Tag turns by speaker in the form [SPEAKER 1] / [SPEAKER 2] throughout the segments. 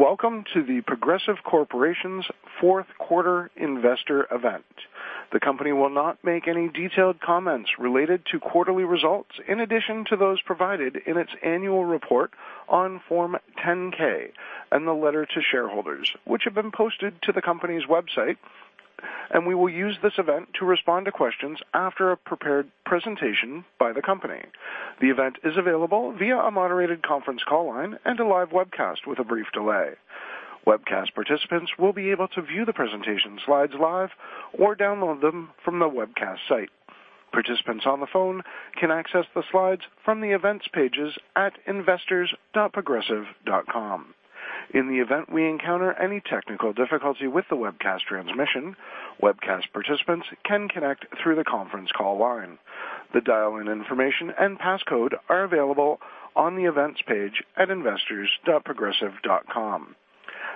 [SPEAKER 1] Welcome to The Progressive Corporation's fourth quarter investor event. The company will not make any detailed comments related to quarterly results in addition to those provided in its annual report on Form 10-K and the letter to shareholders, which have been posted to the company's website, and we will use this event to respond to questions after a prepared presentation by the company. The event is available via a moderated conference call line and a live webcast with a brief delay. Webcast participants will be able to view the presentation slides live or download them from the webcast site. Participants on the phone can access the slides from the Events pages at investor.progressive.com. In the event we encounter any technical difficulty with the webcast transmission, webcast participants can connect through the conference call line. The dial-in information and passcode are available on the Events page at investor.progressive.com.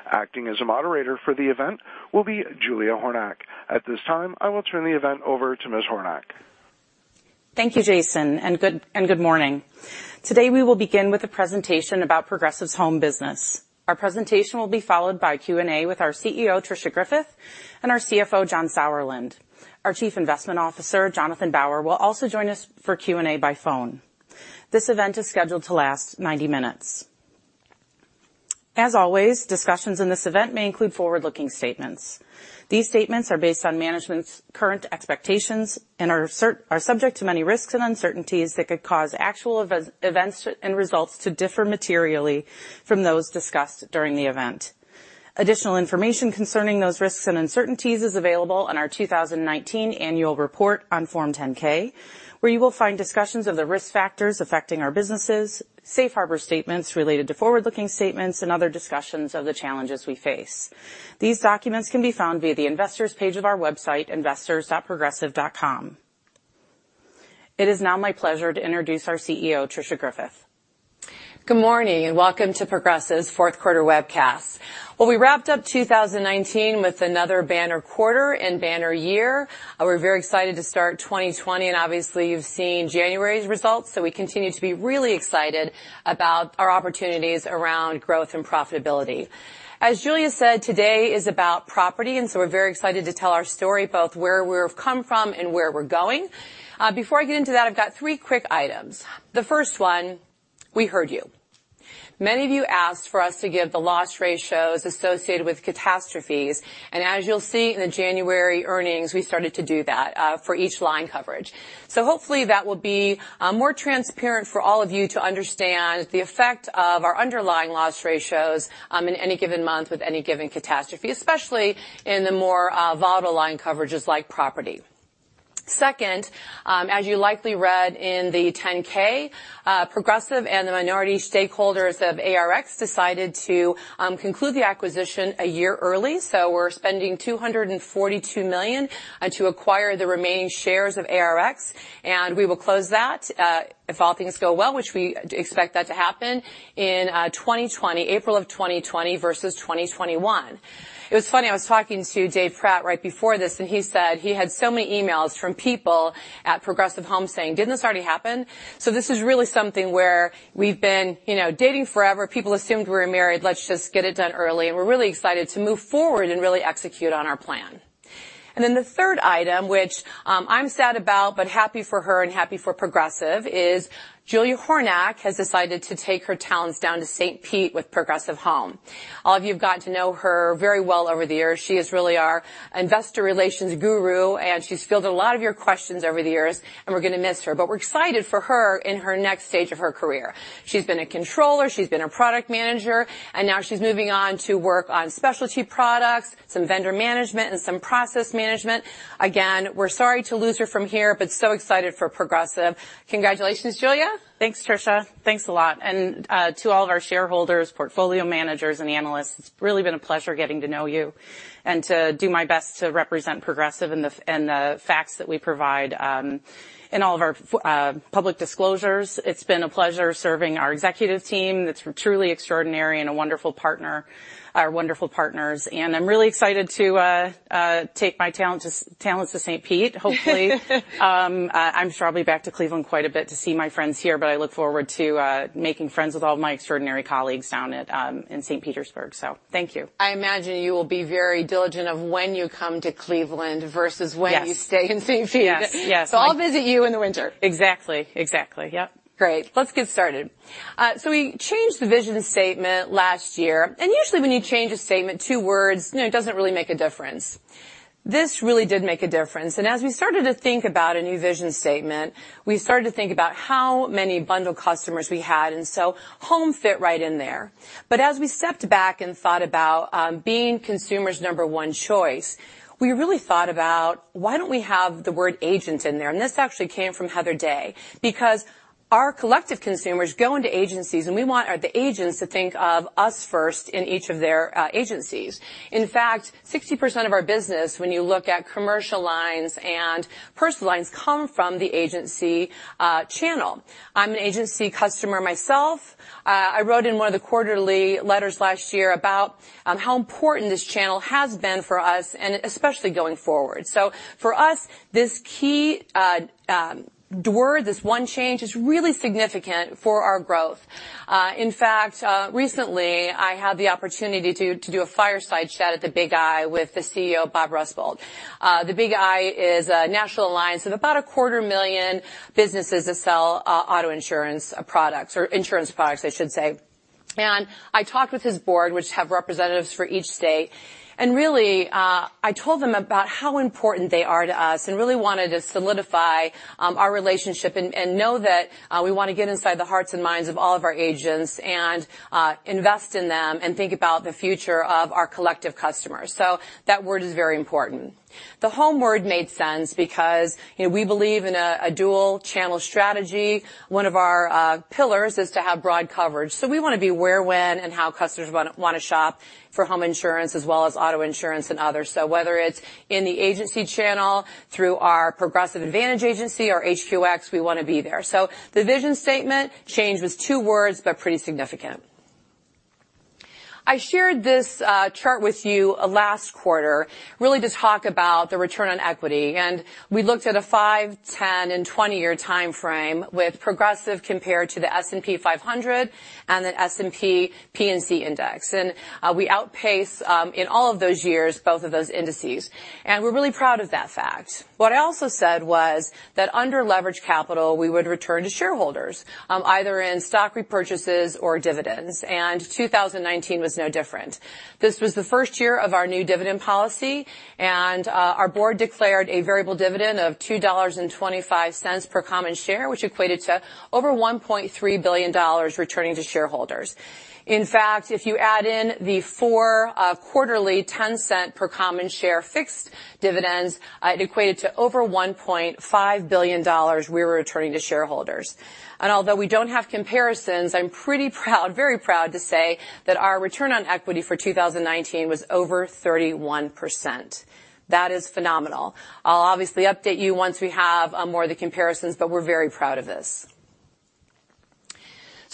[SPEAKER 1] Acting as a moderator for the event will be Julia Hornack. At this time, I will turn the event over to Ms. Hornack.
[SPEAKER 2] Thank you, Jason. Good morning. Today, we will begin with a presentation about Progressive's home business. Our presentation will be followed by Q&A with our CEO, Tricia Griffith, and our CFO, John Sauerland. Our Chief Investment Officer, Jonathan Bauer, will also join us for Q&A by phone. This event is scheduled to last 90 minutes. As always, discussions in this event may include forward-looking statements. These statements are based on management's current expectations and are subject to many risks and uncertainties that could cause actual events and results to differ materially from those discussed during the event. Additional information concerning those risks and uncertainties is available on our 2019 annual report on Form 10-K, where you will find discussions of the risk factors affecting our businesses, safe harbor statements related to forward-looking statements, and other discussions of the challenges we face. These documents can be found via the investors page of our website, investor.progressive.com. It is now my pleasure to introduce our CEO, Tricia Griffith.
[SPEAKER 3] Good morning, welcome to Progressive's fourth quarter webcast. Well, we wrapped up 2019 with another banner quarter and banner year. We're very excited to start 2020, and obviously, you've seen January's results. We continue to be really excited about our opportunities around growth and profitability. As Julia said, today is about property, we're very excited to tell our story, both where we have come from and where we're going. Before I get into that, I've got three quick items. The first one, we heard you. Many of you asked for us to give the loss ratios associated with catastrophes, and as you'll see in the January earnings, we started to do that for each line coverage. Hopefully, that will be more transparent for all of you to understand the effect of our underlying loss ratios, in any given month with any given catastrophe, especially in the more volatile line coverages like property. Second, as you likely read in the Form 10-K, Progressive and the minority stakeholders of ARX decided to conclude the acquisition a year early. We're spending $242 million to acquire the remaining shares of ARX, and we will close that, if all things go well, which we expect that to happen in April of 2020 versus 2021. It was funny, I was talking to Dave Pratt right before this, and he said he had so many emails from people at Progressive Home saying, "Didn't this already happen?" This is really something where we've been dating forever. People assumed we were married, let's just get it done early, and we're really excited to move forward and really execute on our plan. The third item, which I'm sad about, but happy for her and happy for Progressive is, Julia Hornack has decided to take her talents down to St. Pete with Progressive Home. All of you have gotten to know her very well over the years. She is really our investor relations guru, and she's fielded a lot of your questions over the years, and we're going to miss her. We're excited for her in her next stage of her career. She's been a controller, she's been a product manager, and now she's moving on to work on specialty products, some vendor management, and some process management. Again, we're sorry to lose her from here, but so excited for Progressive. Congratulations, Julia.
[SPEAKER 2] Thanks, Tricia. Thanks a lot. To all of our shareholders, portfolio managers, and analysts, it's really been a pleasure getting to know you and to do my best to represent Progressive and the facts that we provide in all of our public disclosures. It's been a pleasure serving our executive team. It's truly extraordinary and a wonderful partner. Our wonderful partners. I'm really excited to take my talents to St. Pete, hopefully. I'm sure I'll be back to Cleveland quite a bit to see my friends here, but I look forward to making friends with all of my extraordinary colleagues down in St. Petersburg, so thank you.
[SPEAKER 3] I imagine you will be very diligent of when you come to Cleveland versus when-
[SPEAKER 2] Yes
[SPEAKER 3] you stay in St. Pete.
[SPEAKER 2] Yes.
[SPEAKER 3] I'll visit you in the winter.
[SPEAKER 2] Exactly. Yep.
[SPEAKER 3] Great. Let's get started. We changed the vision statement last year, usually when you change a statement two words, it doesn't really make a difference. This really did make a difference. As we started to think about a new vision statement, we started to think about how many bundled customers we had, home fit right in there. As we stepped back and thought about being consumers' number one choice, we really thought about why don't we have the word agent in there? This actually came from Heather Day because our collective consumers go into agencies, we want the agents to think of us first in each of their agencies. In fact, 60% of our business, when you look at commercial lines and personal lines, come from the agency channel. I'm an agency customer myself. I wrote in one of the quarterly letters last year about how important this channel has been for us, especially going forward. For us, this key word, this one change, is really significant for our growth. In fact, recently, I had the opportunity to do a fireside chat at The Big "I" with the CEO, Bob Rusbuldt. The Big "I" is a national alliance of about a quarter million businesses that sell auto insurance products or insurance products, I should say. I talked with his board, which have representatives for each state, really, I told them about how important they are to us, really wanted to solidify our relationship, know that we want to get inside the hearts and minds of all of our agents, invest in them, think about the future of our collective customers. That word is very important. The home word made sense because we believe in a dual-channel strategy. One of our pillars is to have broad coverage. We want to be where, when, and how customers want to shop for home insurance as well as auto insurance and others. Whether it's in the agency channel through our Progressive Advantage Agency or HQX, we want to be there. The vision statement changed with two words, pretty significant. I shared this chart with you last quarter, really to talk about the return on equity, we looked at a five, 10, and 20-year timeframe with Progressive compared to the S&P 500 and the S&P P&C Index. We outpace in all of those years, both of those indices, we're really proud of that fact. What I also said was that under leveraged capital, we would return to shareholders, either in stock repurchases or dividends, 2019 was no different. This was the first year of our new dividend policy, our board declared a variable dividend of $2.25 per common share, which equated to over $1.3 billion returning to shareholders. In fact, if you add in the four quarterly $0.10 per common share fixed dividends, it equated to over $1.5 billion we were returning to shareholders. Although we don't have comparisons, I'm pretty proud, very proud to say that our return on equity for 2019 was over 31%. That is phenomenal. I'll obviously update you once we have more of the comparisons, we're very proud of this.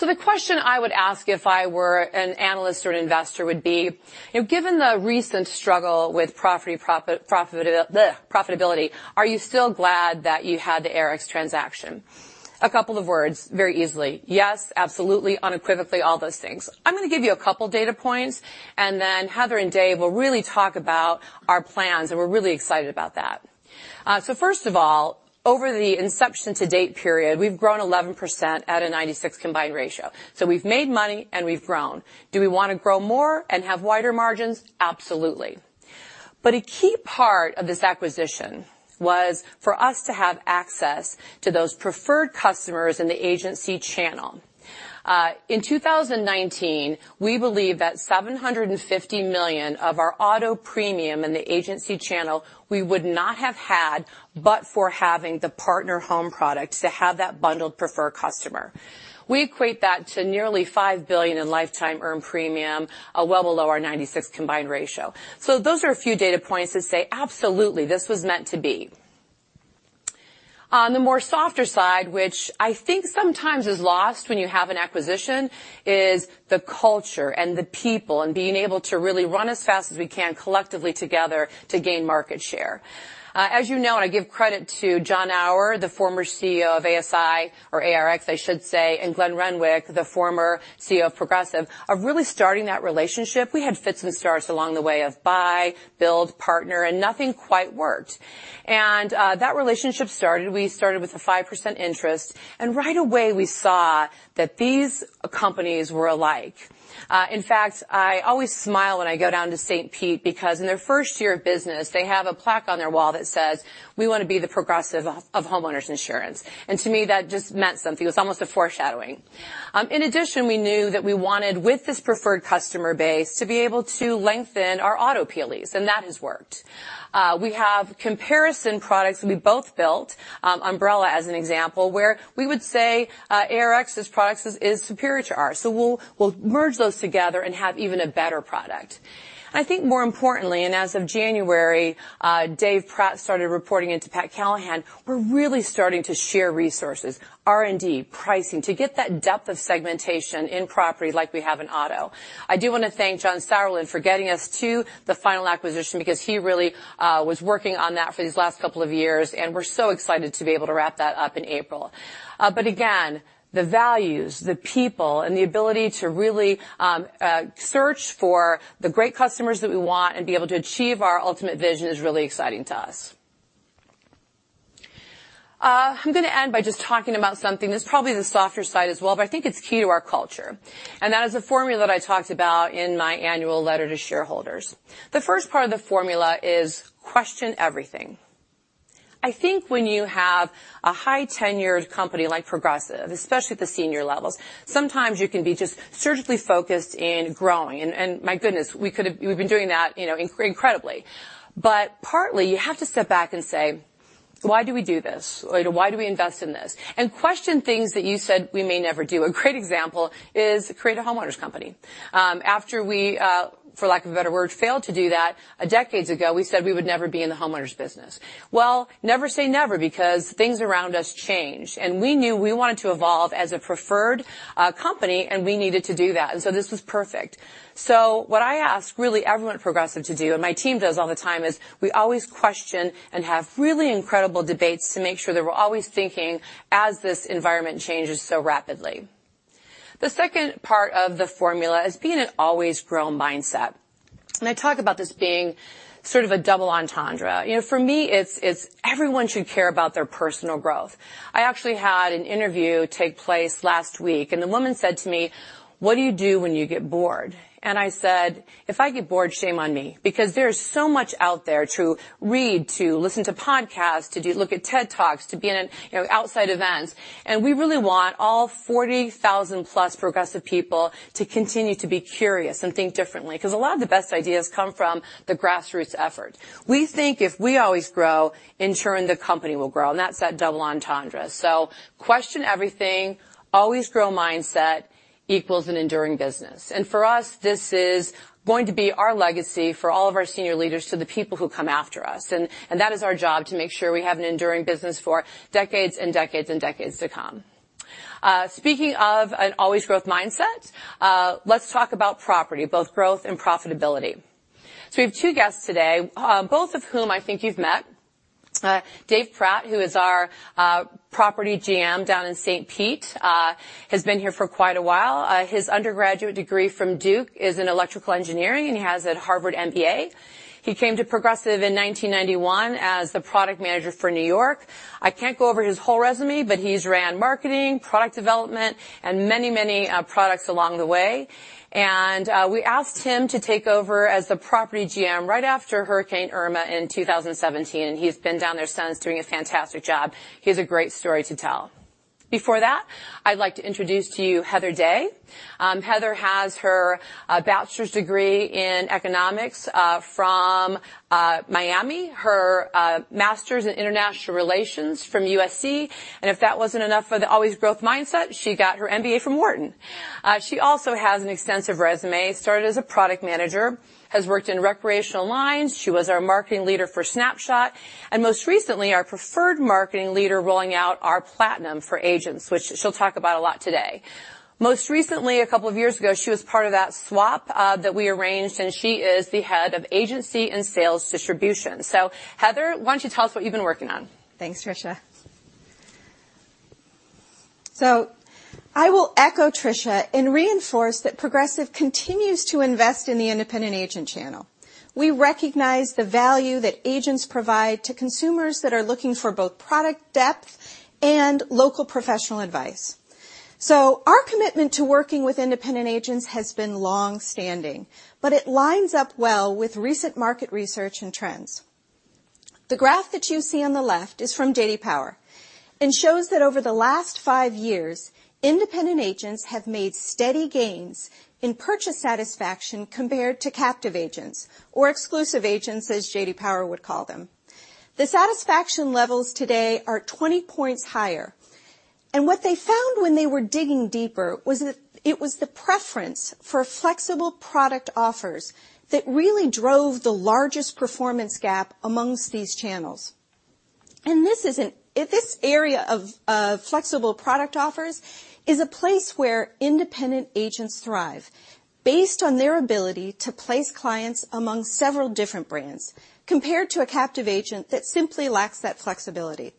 [SPEAKER 3] The question I would ask if I were an analyst or an investor would be, given the recent struggle with profitability, are you still glad that you had the ARX transaction? A couple of words very easily. Yes, absolutely, unequivocally, all those things. I'm going to give you a couple data points, and then Heather Day and Dave Pratt will really talk about our plans, and we're really excited about that. First of all, over the inception to date period, we've grown 11% at a 96 combined ratio. We've made money and we've grown. Do we want to grow more and have wider margins? Absolutely. A key part of this acquisition was for us to have access to those preferred customers in the agency channel. In 2019, we believe that $750 million of our auto premium in the agency channel we would not have had but for having the partner home product to have that bundled preferred customer. We equate that to nearly $5 billion in lifetime earned premium, well below our 96 combined ratio. Those are a few data points that say, absolutely, this was meant to be. On the more softer side, which I think sometimes is lost when you have an acquisition, is the culture and the people and being able to really run as fast as we can collectively together to gain market share. As you know, I give credit to John Auer, the former CEO of ASI, or ARX, I should say, and Glenn Renwick, the former CEO of Progressive, of really starting that relationship. We had fits and starts along the way of buy, build, partner, nothing quite worked. That relationship started, we started with a 5% interest, and right away we saw that these companies were alike. In fact, I always smile when I go down to St. Pete because in their first year of business, they have a plaque on their wall that says, "We want to be the Progressive of homeowners insurance." To me, that just meant something. It was almost a foreshadowing. In addition, we knew that we wanted with this preferred customer base, to be able to lengthen our auto POEs, and that has worked. We have comparison products we both built, umbrella as an example, where we would say, ARX's products is superior to ours, we'll merge those together and have even a better product. I think more importantly, as of January, Dave Pratt started reporting into Pat Callahan, we're really starting to share resources, R&D, pricing, to get that depth of segmentation in property like we have in auto. I do want to thank John Sauerland for getting us to the final acquisition because he really was working on that for these last couple of years, and we're so excited to be able to wrap that up in April. Again, the values, the people, and the ability to really search for the great customers that we want and be able to achieve our ultimate vision is really exciting to us. I'm going to end by just talking about something that's probably the softer side as well, but I think it's key to our culture. That is a formula that I talked about in my annual letter to shareholders. The first part of the formula is question everything. I think when you have a high-tenured company like Progressive, especially at the senior levels, sometimes you can be just surgically focused in growing. My goodness, we've been doing that incredibly. Partly, you have to step back and say, "Why do we do this? Why do we invest in this?" Question things that you said we may never do. A great example is create a homeowners company. After we, for lack of a better word, failed to do that decades ago, we said we would never be in the homeowners business. Never say never because things around us change. We knew we wanted to evolve as a preferred company, and we needed to do that. This was perfect. What I ask really everyone at Progressive to do, and my team does all the time, is we always question and have really incredible debates to make sure that we're always thinking as this environment changes so rapidly. The second part of the formula is being an always-grow mindset. I talk about this being sort of a double entendre. For me, it's everyone should care about their personal growth. I actually had an interview take place last week, and the woman said to me, "What do you do when you get bored?" I said, "If I get bored, shame on me," because there's so much out there to read, to listen to podcasts, to look at TED Talks, to be in outside events. We really want all 40,000-plus Progressive people to continue to be curious and think differently, because a lot of the best ideas come from the grassroots effort. We think if we always grow, ensuring the company will grow, and that's that double entendre. Question everything, always growth mindset equals an enduring business. For us, this is going to be our legacy for all of our senior leaders to the people who come after us. That is our job to make sure we have an enduring business for decades and decades and decades to come. Speaking of an always growth mindset let's talk about property, both growth and profitability. We have two guests today both of whom I think you've met. Dave Pratt, who is our Property GM down in St. Pete has been here for quite a while. His undergraduate degree from Duke is in electrical engineering, and he has a Harvard MBA. He came to Progressive in 1991 as the product manager for New York. I can't go over his whole resume, but he's ran marketing, product development, and many, many products along the way. We asked him to take over as the Property GM right after Hurricane Irma in 2017, and he's been down there since doing a fantastic job. He has a great story to tell. Before that, I'd like to introduce to you Heather Day. Heather has her bachelor's degree in economics from Miami University, her master's in international relations from USC, and if that wasn't enough for the always growth mindset, she got her MBA from Wharton. She also has an extensive resume. Started as a product manager, has worked in recreational lines. She was our marketing leader for Snapshot, most recently, our preferred marketing leader rolling out our Platinum for agents, which she'll talk about a lot today. Most recently, a couple of years ago, she was part of that swap that we arranged, she is the Head of Agency and Sales Distribution. Heather, why don't you tell us what you've been working on?
[SPEAKER 4] Thanks, Tricia. I will echo Tricia and reinforce that Progressive continues to invest in the independent agent channel. We recognize the value that agents provide to consumers that are looking for both product depth and local professional advice. Our commitment to working with independent agents has been longstanding, but it lines up well with recent market research and trends. The graph that you see on the left is from J.D. Power and shows that over the last 5 years, independent agents have made steady gains in purchase satisfaction compared to captive agents, or exclusive agents as J.D. Power would call them. The satisfaction levels today are 20 points higher, and what they found when they were digging deeper was that it was the preference for flexible product offers that really drove the largest performance gap amongst these channels. This area of flexible product offers is a place where independent agents thrive based on their ability to place clients among several different brands, compared to a captive agent that simply lacks that flexibility.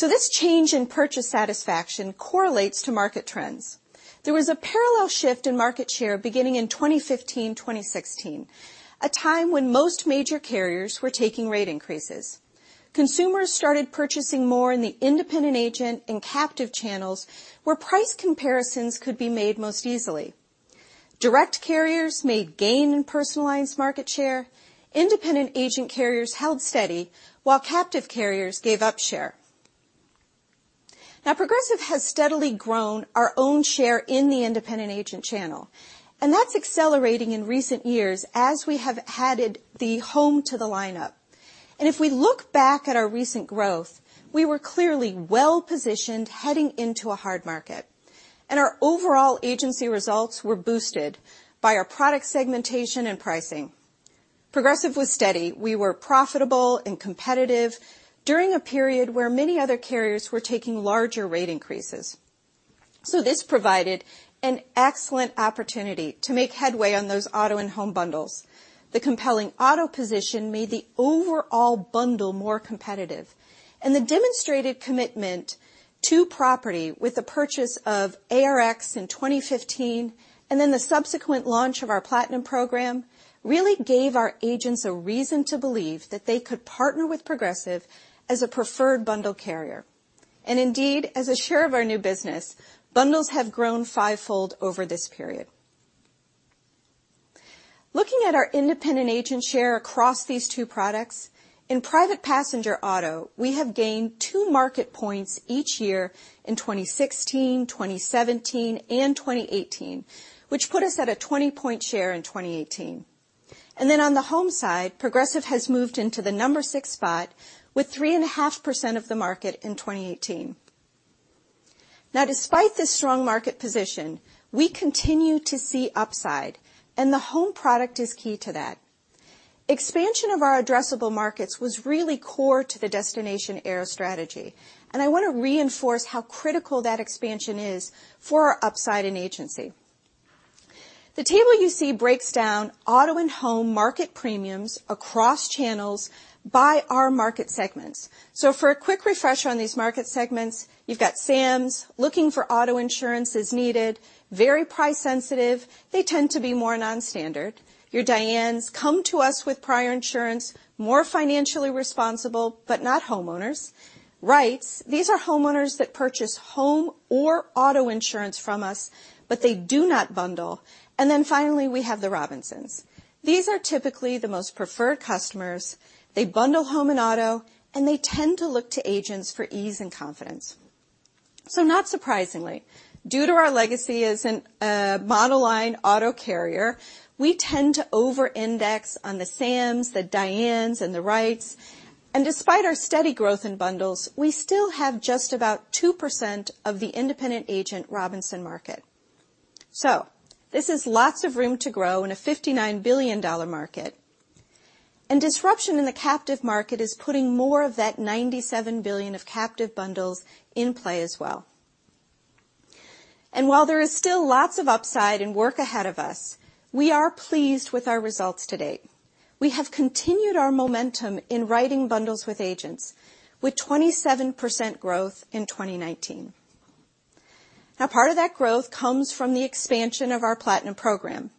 [SPEAKER 4] This change in purchase satisfaction correlates to market trends. There was a parallel shift in market share beginning in 2015, 2016, a time when most major carriers were taking rate increases. Consumers started purchasing more in the independent agent and captive channels where price comparisons could be made most easily. Direct carriers made gain in personalized market share, independent agent carriers held steady while captive carriers gave up share. Progressive has steadily grown our own share in the independent agent channel, and that's accelerating in recent years as we have added the home to the lineup. If we look back at our recent growth, we were clearly well-positioned heading into a hard market, our overall agency results were boosted by our product segmentation and pricing. Progressive was steady. We were profitable and competitive during a period where many other carriers were taking larger rate increases. This provided an excellent opportunity to make headway on those auto and home bundles. The compelling auto position made the overall bundle more competitive. The demonstrated commitment to property with the purchase of ARX in 2015 and the subsequent launch of our Platinum program really gave our agents a reason to believe that they could partner with Progressive as a preferred bundle carrier. Indeed, as a share of our new business, bundles have grown fivefold over this period. Looking at our independent agent share across these two products, in private passenger auto, we have gained two market points each year in 2016, 2017, and 2018, which put us at a 20-point share in 2018. On the home side, Progressive has moved into the number 6 spot with 3.5% of the market in 2018. Despite this strong market position, we continue to see upside, and the home product is key to that. Expansion of our addressable markets was really core to the Destination Era strategy, and I want to reinforce how critical that expansion is for our upside in agency. The table you see breaks down auto and home market premiums across channels by our market segments. For a quick refresher on these market segments, you've got Sams, looking for auto insurance as needed, very price sensitive. They tend to be more non-standard. Your Dianes come to us with prior insurance, more financially responsible, but not homeowners. Wrights, these are homeowners that purchase home or auto insurance from us, but they do not bundle. Then finally, we have the Robinsons. These are typically the most preferred customers. They bundle home and auto, and they tend to look to agents for ease and confidence. Not surprisingly, due to our legacy as a monoline auto carrier, we tend to over-index on the Sams, the Dianes, and the Wrights. Despite our steady growth in bundles, we still have just about 2% of the independent agent Robinson market. This is lots of room to grow in a $59 billion market. Disruption in the captive market is putting more of that $97 billion of captive bundles in play as well. While there is still lots of upside and work ahead of us, we are pleased with our results to date. We have continued our momentum in writing bundles with agents, with 27% growth in 2019. Part of that growth comes from the expansion of our Platinum program,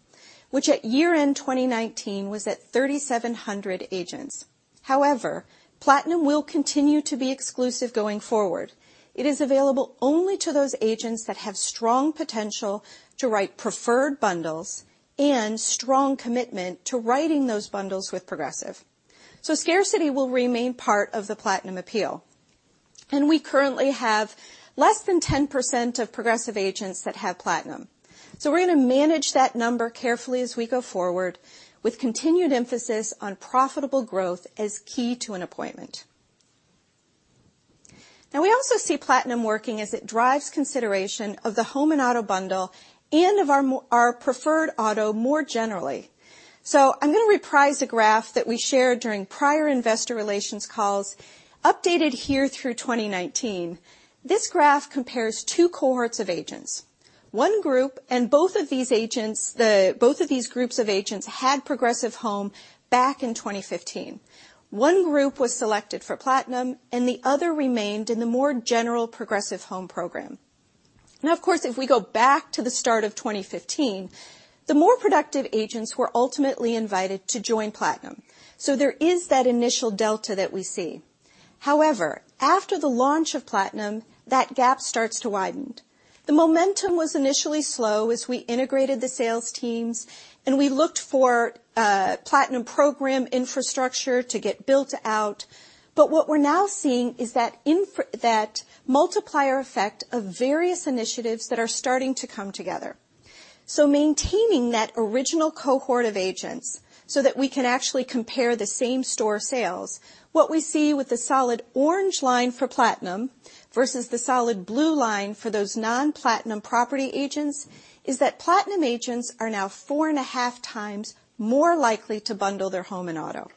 [SPEAKER 4] which at year-end 2019 was at 3,700 agents. However, Platinum will continue to be exclusive going forward. It is available only to those agents that have strong potential to write preferred bundles and strong commitment to writing those bundles with Progressive. Scarcity will remain part of the Platinum appeal. We currently have less than 10% of Progressive agents that have Platinum. We're going to manage that number carefully as we go forward, with continued emphasis on profitable growth as key to an appointment. We also see Platinum working as it drives consideration of the home and auto bundle and of our preferred auto more generally. I'm going to reprise a graph that we shared during prior investor relations calls, updated here through 2019. This graph compares two cohorts of agents. One group, and both of these groups of agents had Progressive Home back in 2015. One group was selected for Platinum and the other remained in the more general Progressive Home program. Of course, if we go back to the start of 2015, the more productive agents were ultimately invited to join Platinum. There is that initial delta that we see. However, after the launch of Platinum, that gap starts to widen. The momentum was initially slow as we integrated the sales teams and we looked for Platinum program infrastructure to get built out. What we're now seeing is that multiplier effect of various initiatives that are starting to come together. Maintaining that original cohort of agents so that we can actually compare the same store sales, what we see with the solid orange line for Platinum versus the solid blue line for those non-Platinum property agents is that Platinum agents are now four and a half times more likely to bundle their home and auto.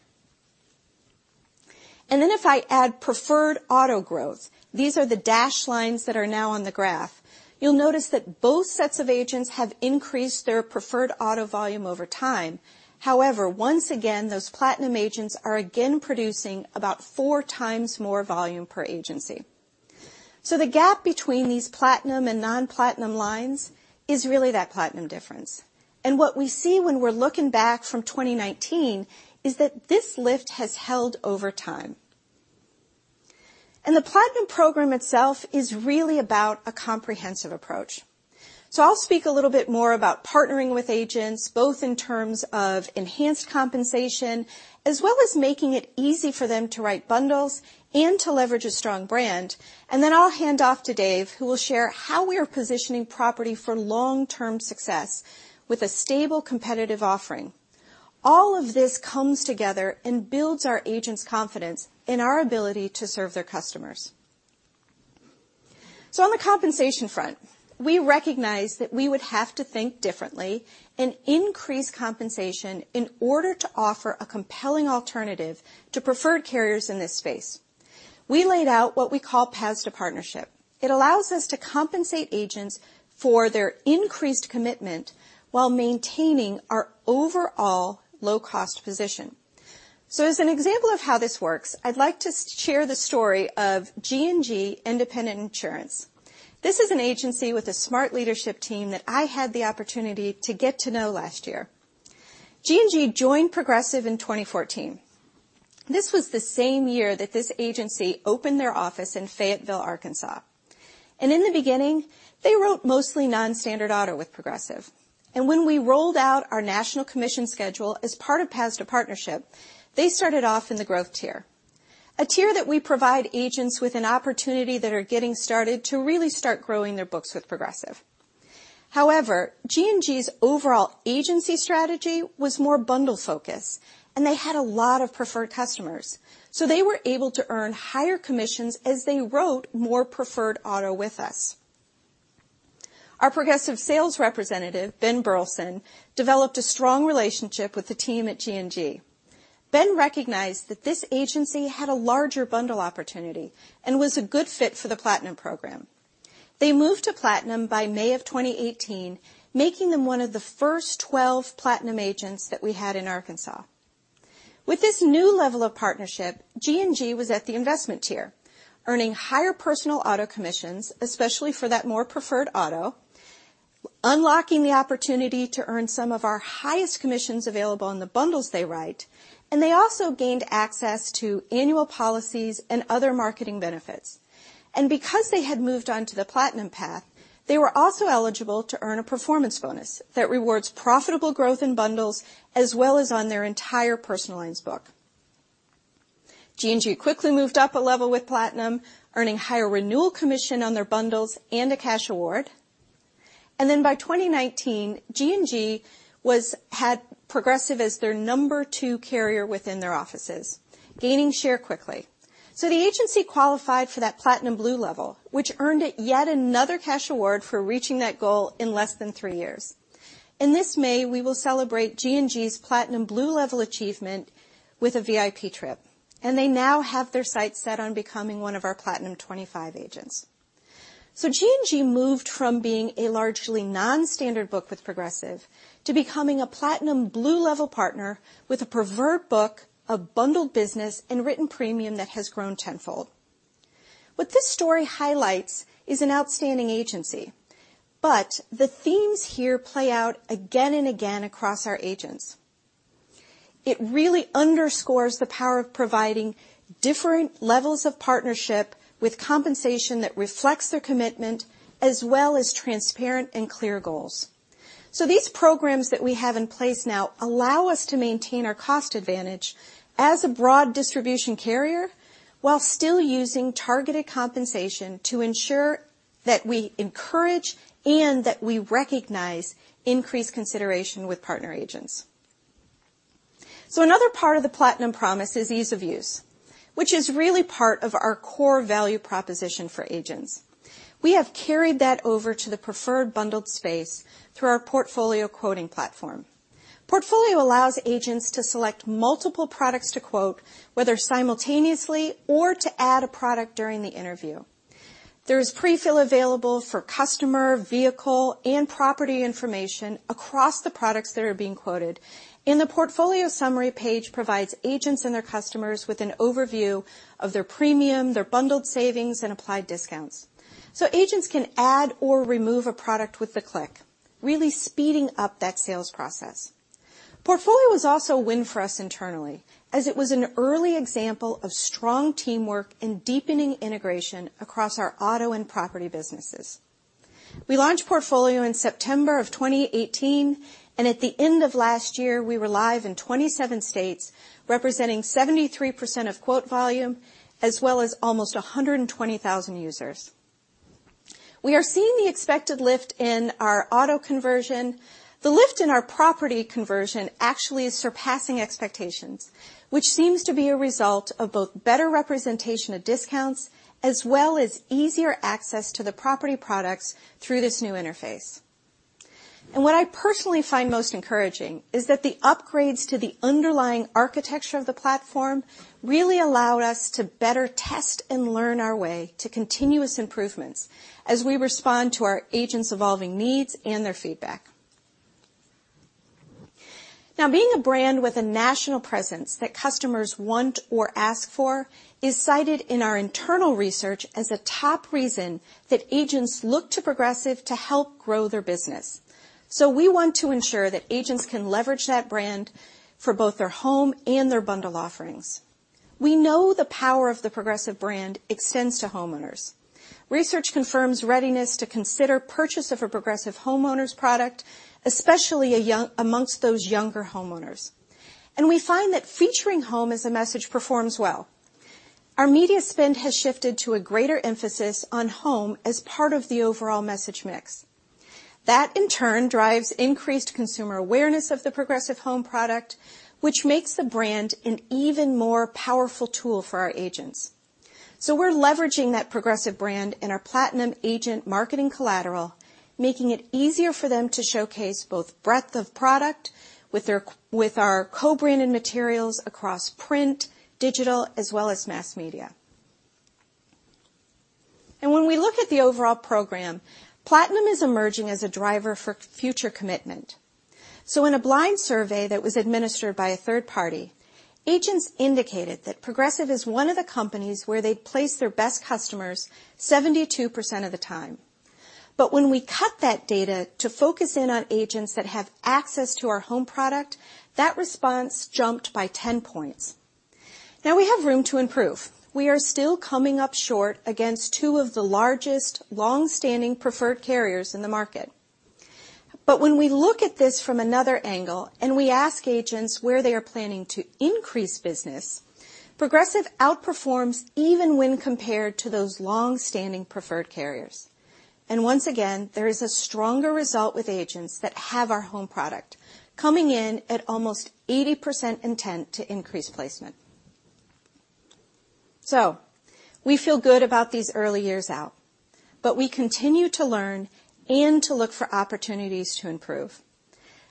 [SPEAKER 4] If I add preferred auto growth, these are the dashed lines that are now on the graph, you'll notice that both sets of agents have increased their preferred auto volume over time. However, once again, those Platinum agents are again producing about four times more volume per agency. The gap between these Platinum and non-Platinum lines is really that Platinum difference. What we see when we're looking back from 2019 is that this lift has held over time. The Platinum Program itself is really about a comprehensive approach. I'll speak a little bit more about partnering with agents, both in terms of enhanced compensation, as well as making it easy for them to write bundles and to leverage a strong brand. I'll hand off to Dave, who will share how we are positioning property for long-term success with a stable, competitive offering. All of this comes together and builds our agents' confidence in our ability to serve their customers. On the compensation front, we recognize that we would have to think differently and increase compensation in order to offer a compelling alternative to preferred carriers in this space. We laid out what we call Paths to Partnership. It allows us to compensate agents for their increased commitment while maintaining our overall low cost position. As an example of how this works, I'd like to share the story of G&G Independent Insurance. This is an agency with a smart leadership team that I had the opportunity to get to know last year. G&G joined Progressive in 2014. This was the same year that this agency opened their office in Fayetteville, Arkansas. In the beginning, they wrote mostly non-standard auto with Progressive. When we rolled out our national commission schedule as part of Paths to Partnership, they started off in the growth tier, a tier that we provide agents with an opportunity that are getting started to really start growing their books with Progressive. However, G&G's overall agency strategy was more bundle-focused, and they had a lot of preferred customers. They were able to earn higher commissions as they wrote more preferred auto with us. Our Progressive sales representative, Ben Burleson, developed a strong relationship with the team at G&G. Ben recognized that this agency had a larger bundle opportunity and was a good fit for the Platinum Program. They moved to Platinum by May of 2018, making them one of the first 12 Platinum agents that we had in Arkansas. With this new level of partnership, G&G was at the investment tier, earning higher personal auto commissions, especially for that more preferred auto, unlocking the opportunity to earn some of our highest commissions available on the bundles they write, and they also gained access to annual policies and other marketing benefits. Because they had moved on to the Platinum path, they were also eligible to earn a performance bonus that rewards profitable growth in bundles as well as on their entire personal lines book. G&G quickly moved up a level with Platinum, earning higher renewal commission on their bundles and a cash award. By 2019, G&G had Progressive as their number 2 carrier within their offices, gaining share quickly. The agency qualified for that Platinum Blue level, which earned it yet another cash award for reaching that goal in less than three years. In this May, we will celebrate G&G's Platinum Blue level achievement with a VIP trip, and they now have their sights set on becoming one of our Platinum 25 agents. G&G moved from being a largely non-standard book with Progressive to becoming a Platinum Blue level partner with a preferred book, a bundled business, and written premium that has grown tenfold. What this story highlights is an outstanding agency, but the themes here play out again and again across our agents. It really underscores the power of providing different levels of partnership with compensation that reflects their commitment, as well as transparent and clear goals. These programs that we have in place now allow us to maintain our cost advantage as a broad distribution carrier, while still using targeted compensation to ensure that we encourage and that we recognize increased consideration with partner agents. Another part of the Platinum promise is ease of use, which is really part of our core value proposition for agents. We have carried that over to the preferred bundled space through our Portfolio quoting platform. Portfolio allows agents to select multiple products to quote, whether simultaneously or to add a product during the interview. There is pre-fill available for customer, vehicle, and property information across the products that are being quoted, and the Portfolio summary page provides agents and their customers with an overview of their premium, their bundled savings, and applied discounts. Agents can add or remove a product with a click, really speeding up that sales process. Portfolio was also a win for us internally, as it was an early example of strong teamwork and deepening integration across our auto and property businesses. We launched Portfolio in September of 2018, and at the end of last year, we were live in 27 states, representing 73% of quote volume, as well as almost 120,000 users. We are seeing the expected lift in our auto conversion. The lift in our property conversion actually is surpassing expectations, which seems to be a result of both better representation of discounts as well as easier access to the property products through this new interface. What I personally find most encouraging is that the upgrades to the underlying architecture of the platform really allowed us to better test and learn our way to continuous improvements as we respond to our agents' evolving needs and their feedback. Being a brand with a national presence that customers want or ask for is cited in our internal research as a top reason that agents look to Progressive to help grow their business. We want to ensure that agents can leverage that brand for both their home and their bundle offerings. We know the power of the Progressive brand extends to homeowners. Research confirms readiness to consider purchase of a Progressive homeowners product, especially amongst those younger homeowners. We find that featuring home as a message performs well. Our media spend has shifted to a greater emphasis on home as part of the overall message mix. That, in turn, drives increased consumer awareness of the Progressive Home product, which makes the brand an even more powerful tool for our agents. We are leveraging that Progressive brand in our Platinum agent marketing collateral, making it easier for them to showcase both breadth of product with our co-branded materials across print, digital, as well as mass media. When we look at the overall program, Platinum is emerging as a driver for future commitment. In a blind survey that was administered by a third party, agents indicated that Progressive is one of the companies where they place their best customers 72% of the time. When we cut that data to focus in on agents that have access to our home product, that response jumped by 10 points. Now, we have room to improve. We are still coming up short against two of the largest long-standing preferred carriers in the market. When we look at this from another angle and we ask agents where they are planning to increase business, Progressive outperforms even when compared to those long-standing preferred carriers. Once again, there is a stronger result with agents that have our home product, coming in at almost 80% intent to increase placement. We feel good about these early years out, but we continue to learn and to look for opportunities to improve.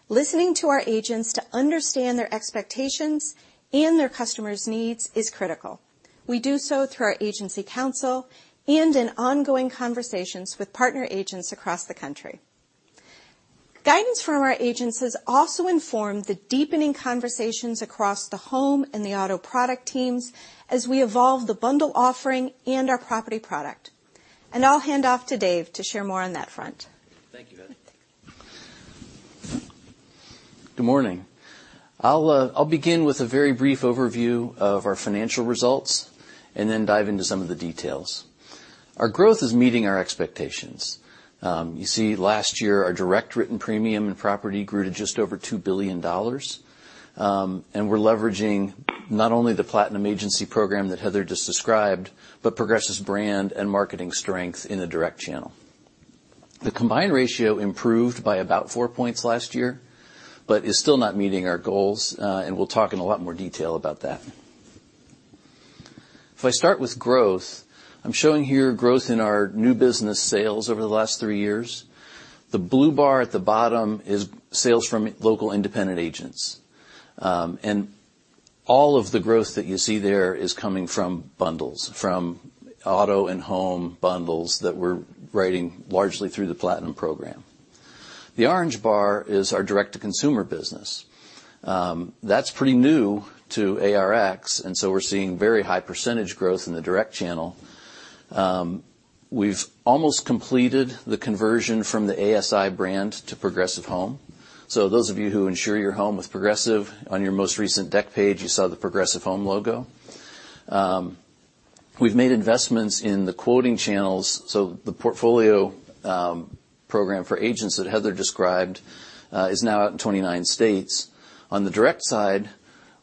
[SPEAKER 4] Listening to our agents to understand their expectations and their customers' needs is critical. We do so through our agency council and in ongoing conversations with partner agents across the country. Guidance from our agents has also informed the deepening conversations across the home and the auto product teams as we evolve the bundle offering and our property product. I'll hand off to Dave to share more on that front.
[SPEAKER 5] Thank you, Heather. Good morning. I'll begin with a very brief overview of our financial results and then dive into some of the details. Our growth is meeting our expectations. You see, last year, our direct written premium and property grew to just over $2 billion. We're leveraging not only the Platinum Agency program that Heather just described, but Progressive's brand and marketing strength in the direct channel. The combined ratio improved by about four points last year, but is still not meeting our goals. We'll talk in a lot more detail about that. If I start with growth, I'm showing here growth in our new business sales over the last three years. The blue bar at the bottom is sales from local independent agents. All of the growth that you see there is coming from bundles, from auto and home bundles that we're writing largely through the Platinum program. The orange bar is our direct-to-consumer business. That's pretty new to ARX, so we're seeing very high percentage growth in the direct channel. We've almost completed the conversion from the ASI brand to Progressive Home. So those of you who insure your home with Progressive, on your most recent dec page, you saw the Progressive Home logo. We've made investments in the quoting channels, so the Portfolio program for agents that Heather described is now out in 29 states. On the direct side,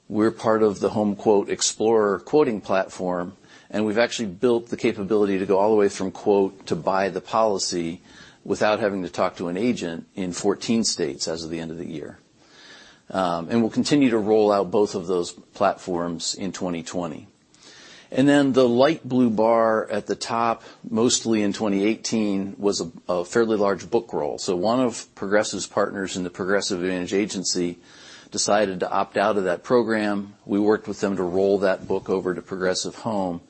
[SPEAKER 5] we're part of the HomeQuote Explorer quoting platform, we've actually built the capability to go all the way from quote to buy the policy without having to talk to an agent in 14 states as of the end of the year. We'll continue to roll out both of those platforms in 2020. The light blue bar at the top, mostly in 2018, was a fairly large book roll. One of Progressive's partners in the Progressive Advantage Agency decided to opt out of that program. We worked with them to roll that book over to Progressive Home.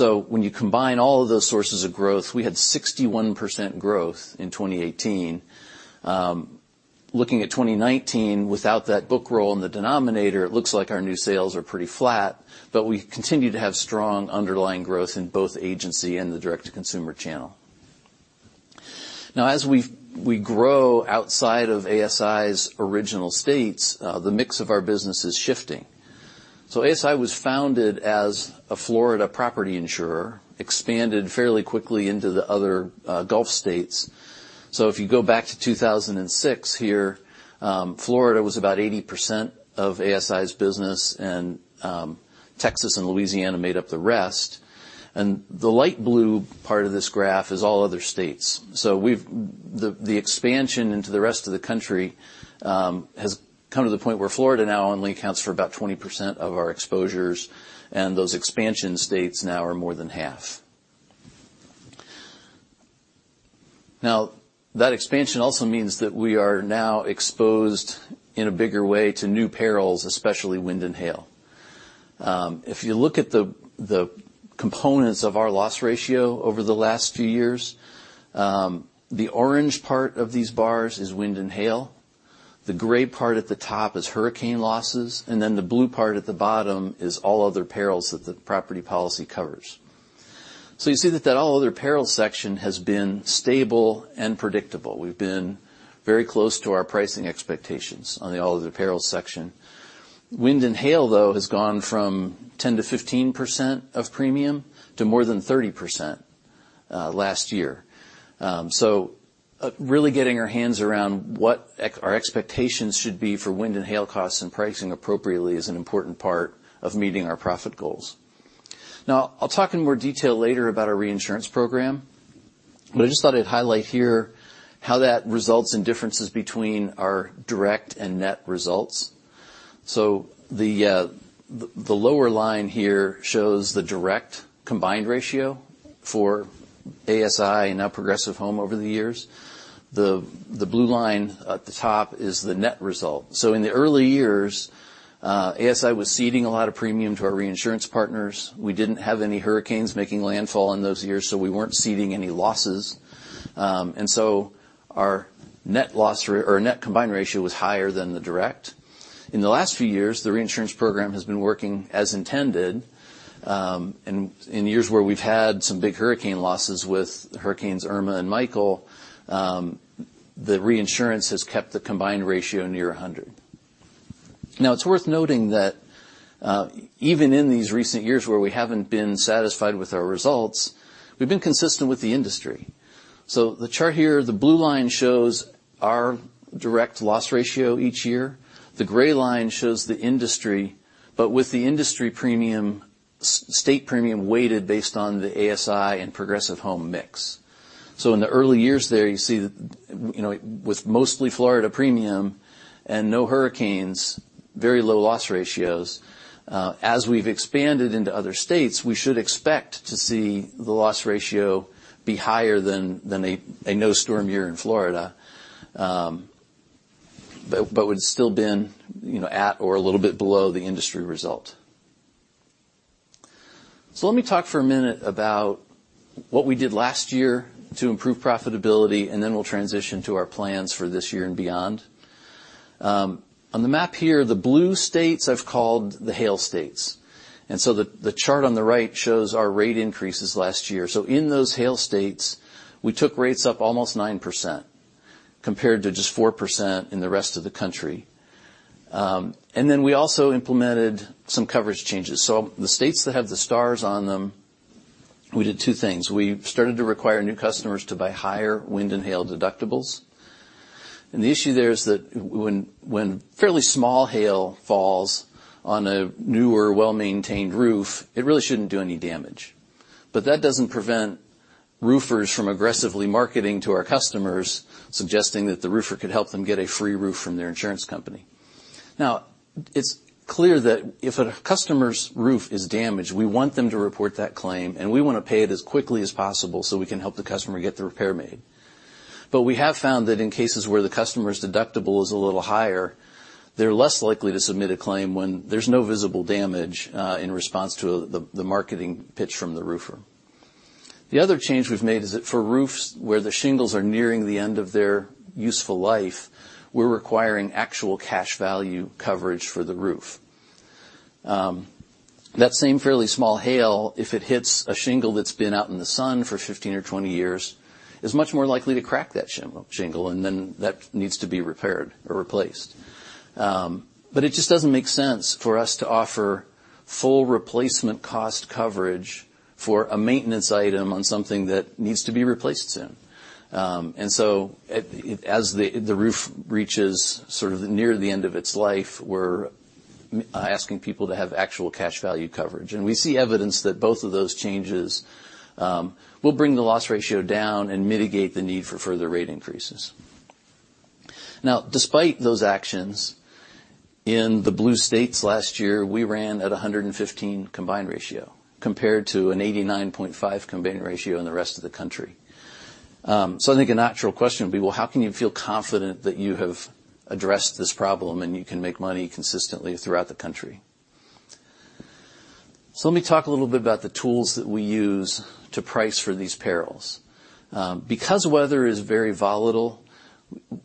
[SPEAKER 5] When you combine all of those sources of growth, we had 61% growth in 2018. Looking at 2019, without that book roll in the denominator, it looks like our new sales are pretty flat, we continue to have strong underlying growth in both agency and the direct-to-consumer channel. As we grow outside of ASI's original states, the mix of our business is shifting. ASI was founded as a Florida property insurer, expanded fairly quickly into the other Gulf states. If you go back to 2006 here, Florida was about 80% of ASI's business, Texas and Louisiana made up the rest. The light blue part of this graph is all other states. The expansion into the rest of the country has come to the point where Florida now only accounts for about 20% of our exposures, and those expansion states now are more than half. That expansion also means that we are now exposed in a bigger way to new perils, especially wind and hail. If you look at the components of our loss ratio over the last few years, the orange part of these bars is wind and hail, the gray part at the top is hurricane losses, the blue part at the bottom is all other perils that the property policy covers. You see that that all other perils section has been stable and predictable. We've been very close to our pricing expectations on the all other perils section. Wind and hail, though, has gone from 10%-15% of premium to more than 30% last year. Really getting our hands around what our expectations should be for wind and hail costs and pricing appropriately is an important part of meeting our profit goals. I'll talk in more detail later about our reinsurance program, but I just thought I'd highlight here how that results in differences between our direct and net results. The lower line here shows the direct combined ratio for ASI, now Progressive Home, over the years. The blue line at the top is the net result. In the early years, ASI was ceding a lot of premium to our reinsurance partners. We didn't have any hurricanes making landfall in those years, so we weren't ceding any losses. Our net combined ratio was higher than the direct. In the last few years, the reinsurance program has been working as intended. In years where we've had some big hurricane losses with Hurricane Irma and Hurricane Michael, the reinsurance has kept the combined ratio near 100. It's worth noting that even in these recent years where we haven't been satisfied with our results, we've been consistent with the industry. The chart here, the blue line shows our direct loss ratio each year. The gray line shows the industry, but with the industry premium, state premium weighted based on the ASI and Progressive Home mix. In the early years there, you see with mostly Florida premium and no hurricanes, very low loss ratios. As we've expanded into other states, we should expect to see the loss ratio be higher than a no storm year in Florida, but would still been at or a little bit below the industry result. Let me talk for one minute about what we did last year to improve profitability, and then we'll transition to our plans for this year and beyond. On the map here, the blue states, I've called the hail states. The chart on the right shows our rate increases last year. In those hail states, we took rates up almost 9% compared to just 4% in the rest of the country. We also implemented some coverage changes. The states that have the stars on them, we did two things. We started to require new customers to buy higher wind and hail deductibles. The issue there is that when fairly small hail falls on a newer, well-maintained roof, it really shouldn't do any damage. That doesn't prevent roofers from aggressively marketing to our customers, suggesting that the roofer could help them get a free roof from their insurance company. It's clear that if a customer's roof is damaged, we want them to report that claim, and we want to pay it as quickly as possible so we can help the customer get the repair made. We have found that in cases where the customer's deductible is a little higher, they're less likely to submit a claim when there's no visible damage in response to the marketing pitch from the roofer. The other change we've made is that for roofs where the shingles are nearing the end of their useful life, we're requiring actual cash value coverage for the roof. That same fairly small hail, if it hits a shingle that's been out in the sun for 15 or 20 years, is much more likely to crack that shingle, and then that needs to be repaired or replaced. It just doesn't make sense for us to offer full replacement cost coverage for a maintenance item on something that needs to be replaced soon. As the roof reaches sort of near the end of its life, we're asking people to have actual cash value coverage. We see evidence that both of those changes will bring the loss ratio down and mitigate the need for further rate increases. Despite those actions, in the blue states last year, we ran at 115 combined ratio, compared to an 89.5 combined ratio in the rest of the country. I think a natural question would be, well, how can you feel confident that you have addressed this problem and you can make money consistently throughout the country? Let me talk a little bit about the tools that we use to price for these perils. Weather is very volatile,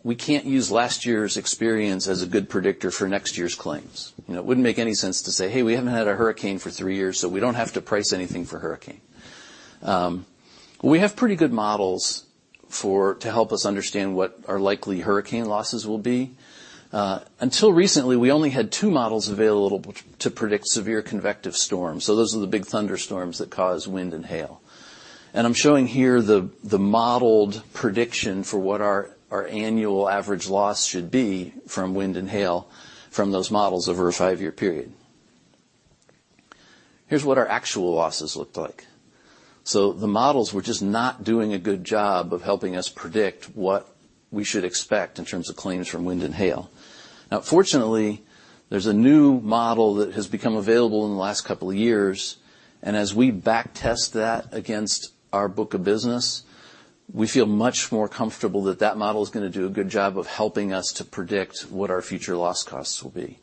[SPEAKER 5] we can't use last year's experience as a good predictor for next year's claims. It wouldn't make any sense to say, "Hey, we haven't had a hurricane for three years, so we don't have to price anything for hurricane." We have pretty good models to help us understand what our likely hurricane losses will be. Until recently, we only had two models available to predict severe convective storms. Those are the big thunderstorms that cause wind and hail. I'm showing here the modeled prediction for what our annual average loss should be from wind and hail from those models over a five-year period. Here's what our actual losses looked like. The models were just not doing a good job of helping us predict what we should expect in terms of claims from wind and hail. Fortunately, there's a new model that has become available in the last couple of years, and as we back-test that against our book of business, we feel much more comfortable that that model is going to do a good job of helping us to predict what our future loss costs will be.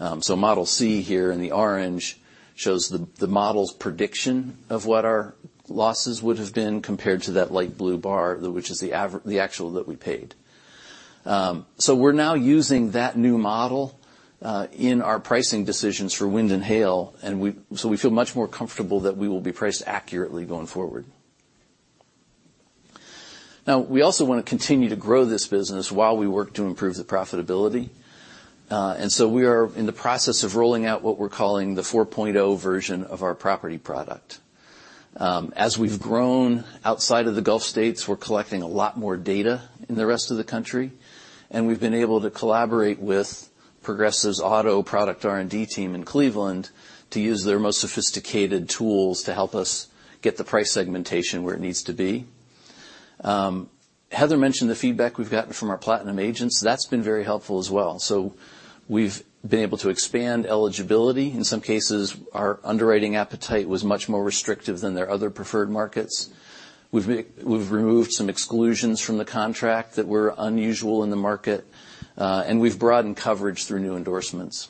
[SPEAKER 5] Model C here in the orange shows the model's prediction of what our losses would have been compared to that light blue bar, which is the actual that we paid. We're now using that new model in our pricing decisions for wind and hail. We also want to continue to grow this business while we work to improve the profitability. We are in the process of rolling out what we're calling the 4.0 version of our property product. As we've grown outside of the Gulf states, we're collecting a lot more data in the rest of the country, we've been able to collaborate with Progressive's auto product R&D team in Cleveland to use their most sophisticated tools to help us get the price segmentation where it needs to be. Heather mentioned the feedback we've gotten from our Platinum agents. That's been very helpful as well. We've been able to expand eligibility. In some cases, our underwriting appetite was much more restrictive than their other preferred markets. We've removed some exclusions from the contract that were unusual in the market. We've broadened coverage through new endorsements.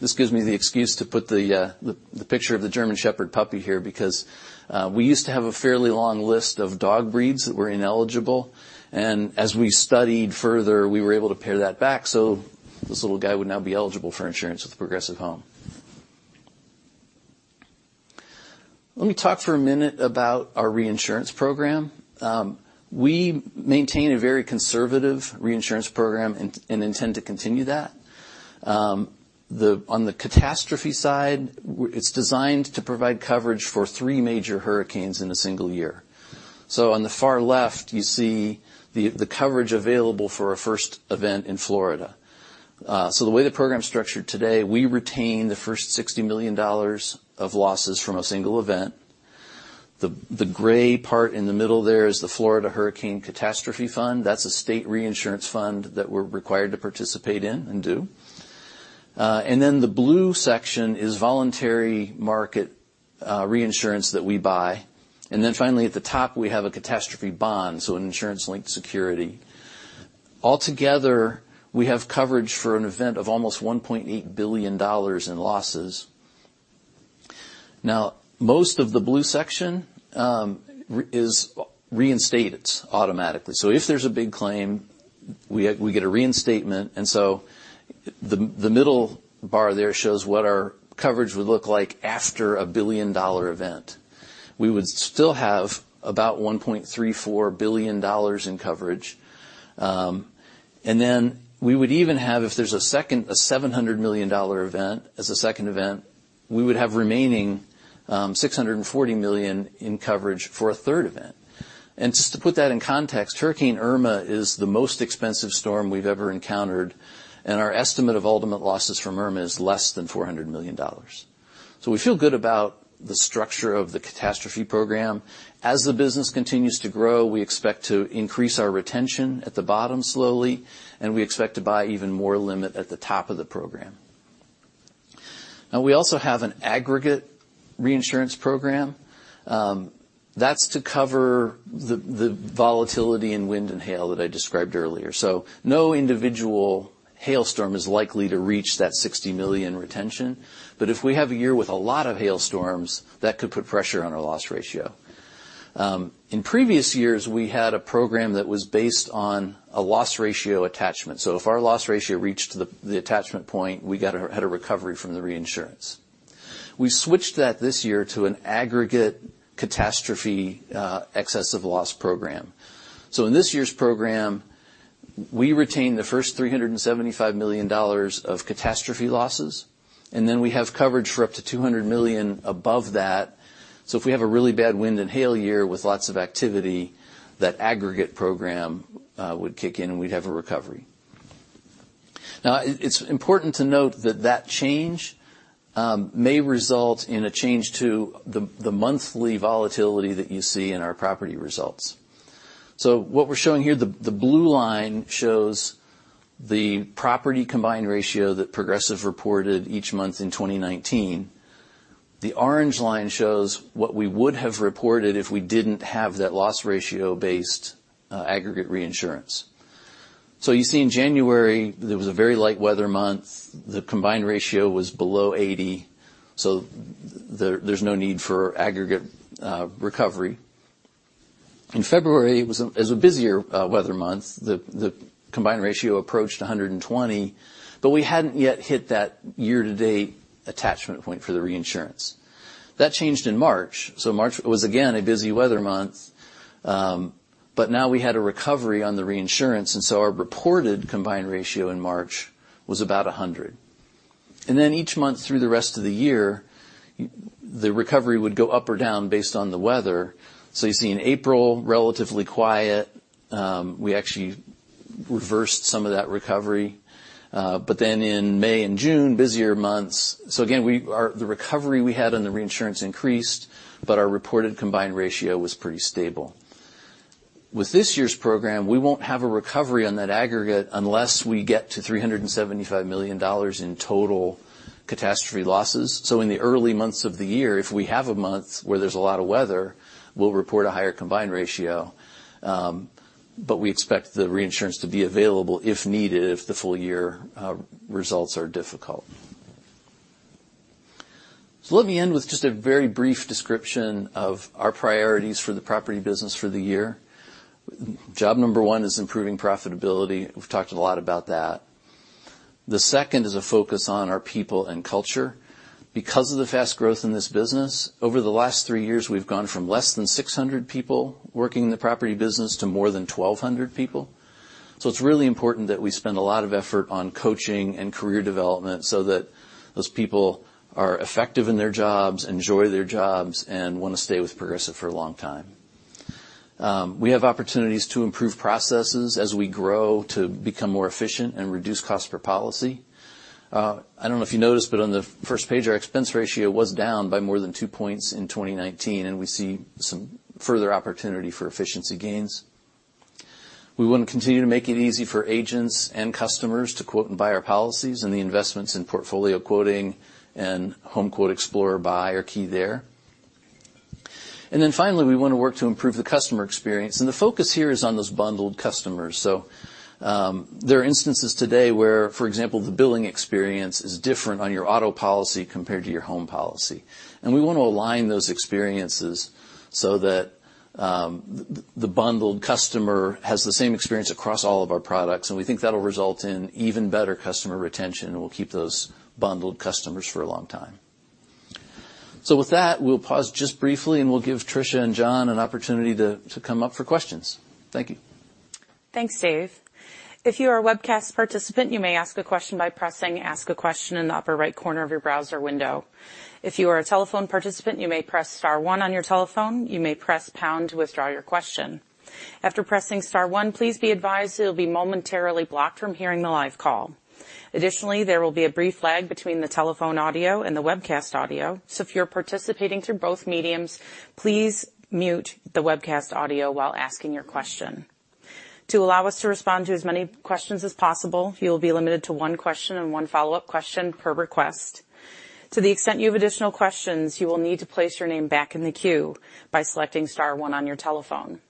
[SPEAKER 5] This gives me the excuse to put the picture of the German Shepherd puppy here because we used to have a fairly long list of dog breeds that were ineligible, and as we studied further, we were able to pare that back, this little guy would now be eligible for insurance with Progressive Home. Let me talk for a minute about our reinsurance program. We maintain a very conservative reinsurance program and intend to continue that. On the catastrophe side, it's designed to provide coverage for three major hurricanes in a single year. On the far left, you see the coverage available for a first event in Florida. The way the program's structured today, we retain the first $60 million of losses from a single event. The gray part in the middle there is the Florida Hurricane Catastrophe Fund. That's a state reinsurance fund that we're required to participate in and do. The blue section is voluntary market reinsurance that we buy. Finally, at the top, we have a catastrophe bond, an insurance-linked security. Altogether, we have coverage for an event of almost $1.8 billion in losses. Most of the blue section is reinstated automatically. If there's a big claim, we get a reinstatement. The middle bar there shows what our coverage would look like after a billion-dollar event. We would still have about $1.34 billion in coverage. We would even have, if there's a $700 million event as a second event, we would have remaining, $640 million in coverage for a third event. Just to put that in context, Hurricane Irma is the most expensive storm we've ever encountered, and our estimate of ultimate losses from Irma is less than $400 million. We feel good about the structure of the catastrophe program. As the business continues to grow, we expect to increase our retention at the bottom slowly, and we expect to buy even more limit at the top of the program. We also have an aggregate reinsurance program. That's to cover the volatility in wind and hail that I described earlier. No individual hailstorm is likely to reach that $60 million retention. If we have a year with a lot of hailstorms, that could put pressure on our loss ratio. In previous years, we had a program that was based on a loss ratio attachment. If our loss ratio reached the attachment point, we had a recovery from the reinsurance. We switched that this year to an aggregate catastrophe excess of loss program. In this year's program, we retain the first $375 million of catastrophe losses, and then we have coverage for up to $200 million above that. If we have a really bad wind and hail year with lots of activity, that aggregate program would kick in, and we'd have a recovery. It's important to note that change may result in a change to the monthly volatility that you see in our property results. What we're showing here, the blue line shows the property combined ratio that Progressive reported each month in 2019. The orange line shows what we would have reported if we didn't have that loss ratio-based aggregate reinsurance. You see in January, there was a very light weather month. The combined ratio was below 80, there's no need for aggregate recovery. In February, it was a busier weather month. The combined ratio approached 120, we hadn't yet hit that year-to-date attachment point for the reinsurance. That changed in March. March was again a busy weather month, now we had a recovery on the reinsurance, our reported combined ratio in March was about 100. Each month through the rest of the year, the recovery would go up or down based on the weather. You see in April, relatively quiet. We actually reversed some of that recovery. In May and June, busier months. Again, the recovery we had on the reinsurance increased, our reported combined ratio was pretty stable. With this year's program, we won't have a recovery on that aggregate unless we get to $375 million in total catastrophe losses. In the early months of the year, if we have a month where there's a lot of weather, we'll report a higher combined ratio, we expect the reinsurance to be available if needed if the full year results are difficult. Let me end with just a very brief description of our priorities for the property business for the year. Job number one is improving profitability. We've talked a lot about that. The second is a focus on our people and culture. Because of the fast growth in this business, over the last three years, we've gone from less than 600 people working in the property business to more than 1,200 people. It's really important that we spend a lot of effort on coaching and career development so that those people are effective in their jobs, enjoy their jobs, and want to stay with Progressive for a long time. We have opportunities to improve processes as we grow to become more efficient and reduce cost per policy. I don't know if you noticed, on the first page, our expense ratio was down by more than two points in 2019, we see some further opportunity for efficiency gains. We want to continue to make it easy for agents and customers to quote and buy our policies, the investments in Portfolio quoting and HomeQuote Explorer buy are key there. Finally, we want to work to improve the customer experience, the focus here is on those bundled customers. There are instances today where, for example, the billing experience is different on your auto policy compared to your home policy. We want to align those experiences so that the bundled customer has the same experience across all of our products, we think that'll result in even better customer retention, we'll keep those bundled customers for a long time. With that, we'll pause just briefly, we'll give Tricia and John an opportunity to come up for questions. Thank you.
[SPEAKER 2] Thanks, Dave. If you are a webcast participant, you may ask a question by pressing Ask a Question in the upper right corner of your browser window. If you are a telephone participant, you may press star one on your telephone. You may press pound to withdraw your question. After pressing star one, please be advised that you'll be momentarily blocked from hearing the live call. Additionally, there will be a brief lag between the telephone audio and the webcast audio. If you're participating through both mediums, please mute the webcast audio while asking your question. To allow us to respond to as many questions as possible, you'll be limited to one question and one follow-up question per request. To the extent you have additional questions, you will need to place your name back in the queue by selecting star one on your telephone.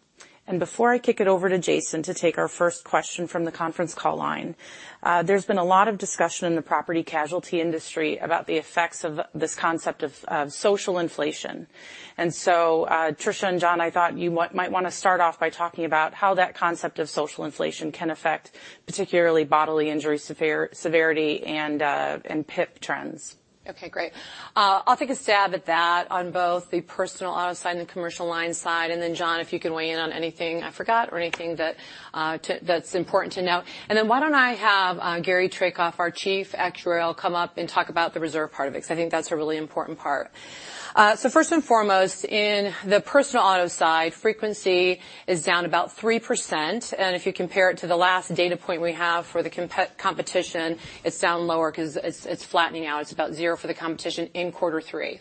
[SPEAKER 2] Before I kick it over to Jason to take our first question from the conference call line, there's been a lot of discussion in the property casualty industry about the effects of this concept of social inflation. Tricia and John Sauerland, I thought you might want to start off by talking about how that concept of social inflation can affect particularly bodily injury severity and PIP trends.
[SPEAKER 3] Okay, great. I'll take a stab at that on both the personal auto side and the commercial line side. John Sauerland, if you can weigh in on anything I forgot or anything that's important to note. Why don't I have Gary Traicoff, our Chief Actuary, come up and talk about the reserve part of it, because I think that's a really important part. First and foremost, in the personal auto side, frequency is down about 3%. If you compare it to the last data point we have for the competition, it's down lower because it's flattening out. It's about zero for the competition in quarter three.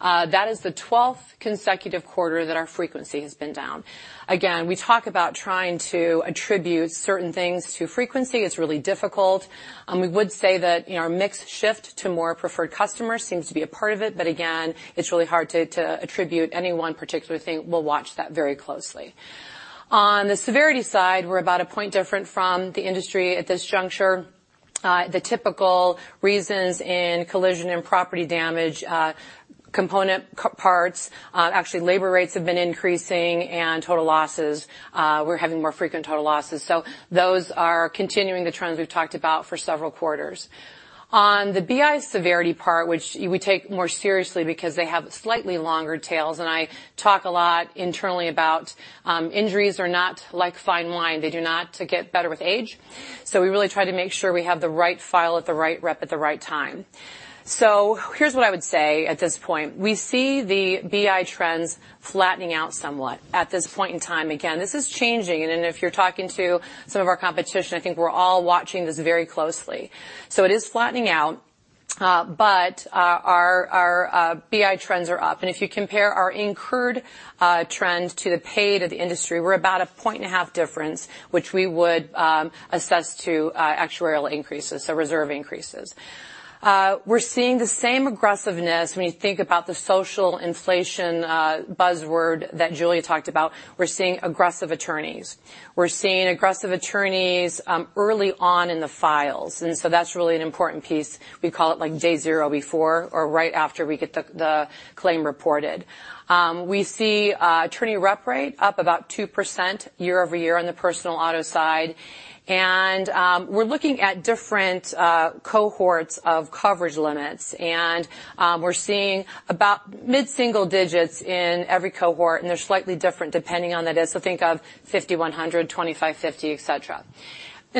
[SPEAKER 3] That is the 12th consecutive quarter that our frequency has been down. Again, we talk about trying to attribute certain things to frequency. It's really difficult. We would say that our mix shift to more preferred customers seems to be a part of it, but again, it's really hard to attribute any one particular thing. We'll watch that very closely. On the severity side, we're about a point different from the industry at this juncture. The typical reasons in collision and property damage component parts, actually labor rates have been increasing and we're having more frequent total losses. Those are continuing the trends we've talked about for several quarters. On the BI severity part, which we take more seriously because they have slightly longer tails. I talk a lot internally about injuries are not like fine wine. They do not get better with age. We really try to make sure we have the right file at the right rep at the right time. Here's what I would say at this point. We see the BI trends flattening out somewhat at this point in time. This is changing, and if you're talking to some of our competition, I think we're all watching this very closely. It is flattening out, but our BI trends are up, and if you compare our incurred trends to the paid of the industry, we're about a point and a half difference, which we would assess to actuarial increases, so reserve increases. We're seeing the same aggressiveness when you think about the social inflation buzzword that Julia talked about. We're seeing aggressive attorneys. We're seeing aggressive attorneys early on in the files, and so that's really an important piece. We call it day zero before or right after we get the claim reported. We see attorney rep rate up about 2% year-over-year on the personal auto side, and we're looking at different cohorts of coverage limits, and we're seeing about mid-single digits in every cohort, and they're slightly different depending on the-- Think of 5,100, 2550, et cetera.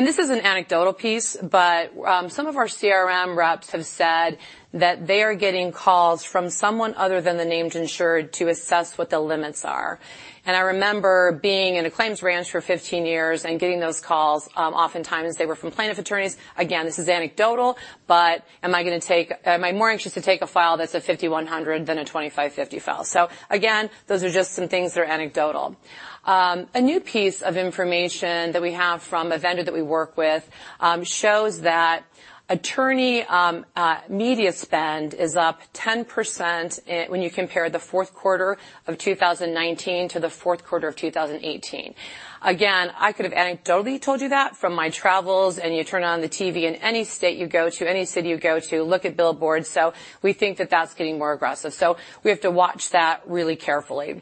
[SPEAKER 3] This is an anecdotal piece, but some of our CRM reps have said that they are getting calls from someone other than the named insured to assess what the limits are. I remember being in a claims branch for 15 years and getting those calls. Oftentimes they were from plaintiff attorneys. This is anecdotal, but am I more anxious to take a file that's a 5,100 than a 2550 file? Those are just some things that are anecdotal. A new piece of information that we have from a vendor that we work with shows that attorney media spend is up 10% when you compare the fourth quarter of 2019 to the fourth quarter of 2018. I could have anecdotally told you that from my travels, and you turn on the TV in any state you go to, any city you go to, look at billboards. We think that that's getting more aggressive. We have to watch that really carefully.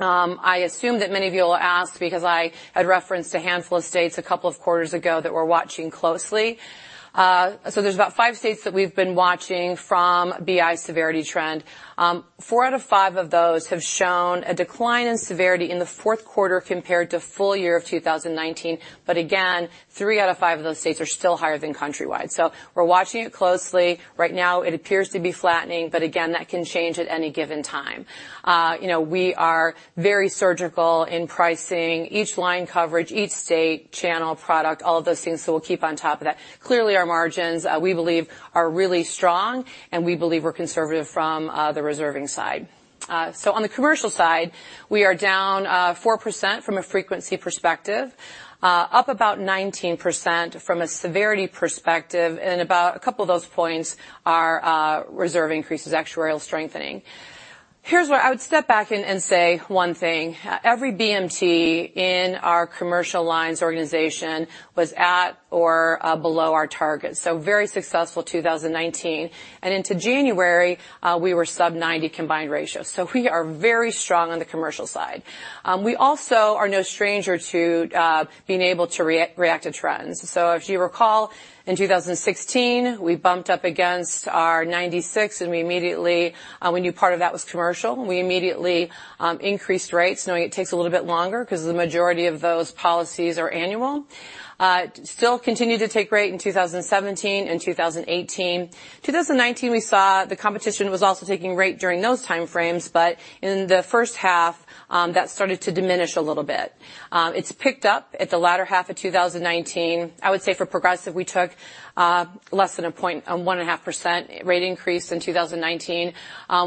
[SPEAKER 3] I assume that many of you will ask because I had referenced a handful of states a couple of quarters ago that we're watching closely. There's about five states that we've been watching from BI severity trend. Four out of five of those have shown a decline in severity in the fourth quarter compared to full year of 2019. Three out of five of those states are still higher than countrywide. We're watching it closely. Right now it appears to be flattening, but again, that can change at any given time. We are very surgical in pricing each line coverage, each state, channel, product, all of those things, so we'll keep on top of that. Clearly, our margins, we believe, are really strong, and we believe we're conservative from the reserving side. On the commercial side, we are down 4% from a frequency perspective, up about 19% from a severity perspective, and about a couple of those points are reserve increases, actuarial strengthening. I would step back and say one thing. Every BMT in our commercial lines organization was at or below our target. Very successful 2019. Into January, we were sub 90 combined ratio. We are very strong on the commercial side. We also are no stranger to being able to react to trends. If you recall, in 2016, we bumped up against our 96, and we knew part of that was commercial. We immediately increased rates, knowing it takes a little bit longer because the majority of those policies are annual. Still continued to take rate in 2017 and 2018. 2019, we saw the competition was also taking rate during those time frames, but in the first half, that started to diminish a little bit. It's picked up at the latter half of 2019. I would say for Progressive, we took less than a point, a 1.5% rate increase in 2019.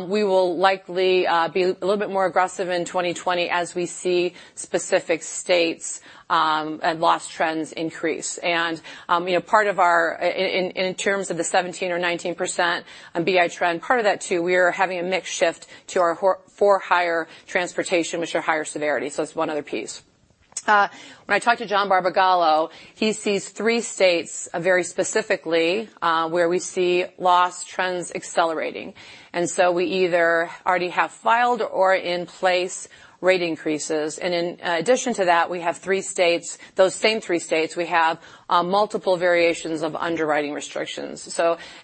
[SPEAKER 3] We will likely be a little bit more aggressive in 2020 as we see specific states and loss trends increase. In terms of the 17 or 19% BI trend, part of that too, we are having a mix shift to our for-hire transportation, which are higher severity. That's one other piece. When I talk to John Barbagallo, he sees three states very specifically where we see loss trends accelerating. We either already have filed or in place rate increases. In addition to that, we have three states, those same three states, we have multiple variations of underwriting restrictions.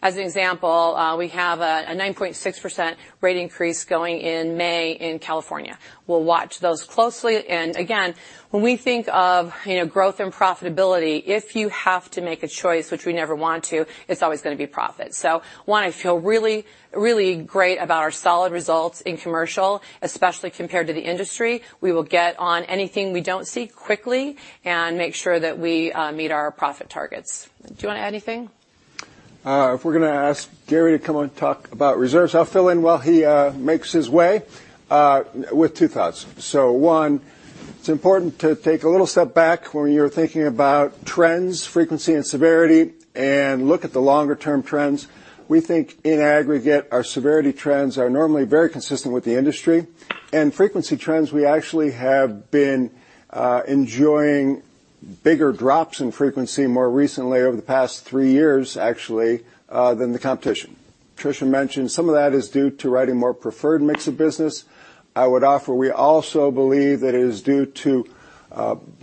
[SPEAKER 3] As an example, we have a 9.6% rate increase going in May in California. We'll watch those closely. Again, when we think of growth and profitability, if you have to make a choice, which we never want to, it's always going to be profit. One, I feel really great about our solid results in commercial, especially compared to the industry. We will get on anything we don't see quickly and make sure that we meet our profit targets. Do you want to add anything?
[SPEAKER 6] If we're going to ask Gary to come and talk about reserves, I'll fill in while he makes his way with two thoughts. One, it's important to take a little step back when you're thinking about trends, frequency, and severity, and look at the longer-term trends. We think in aggregate, our severity trends are normally very consistent with the industry, and frequency trends, we actually have been enjoying bigger drops in frequency more recently over the past three years, actually, than the competition. Tricia mentioned some of that is due to writing more preferred mix of business. I would offer we also believe that it is due to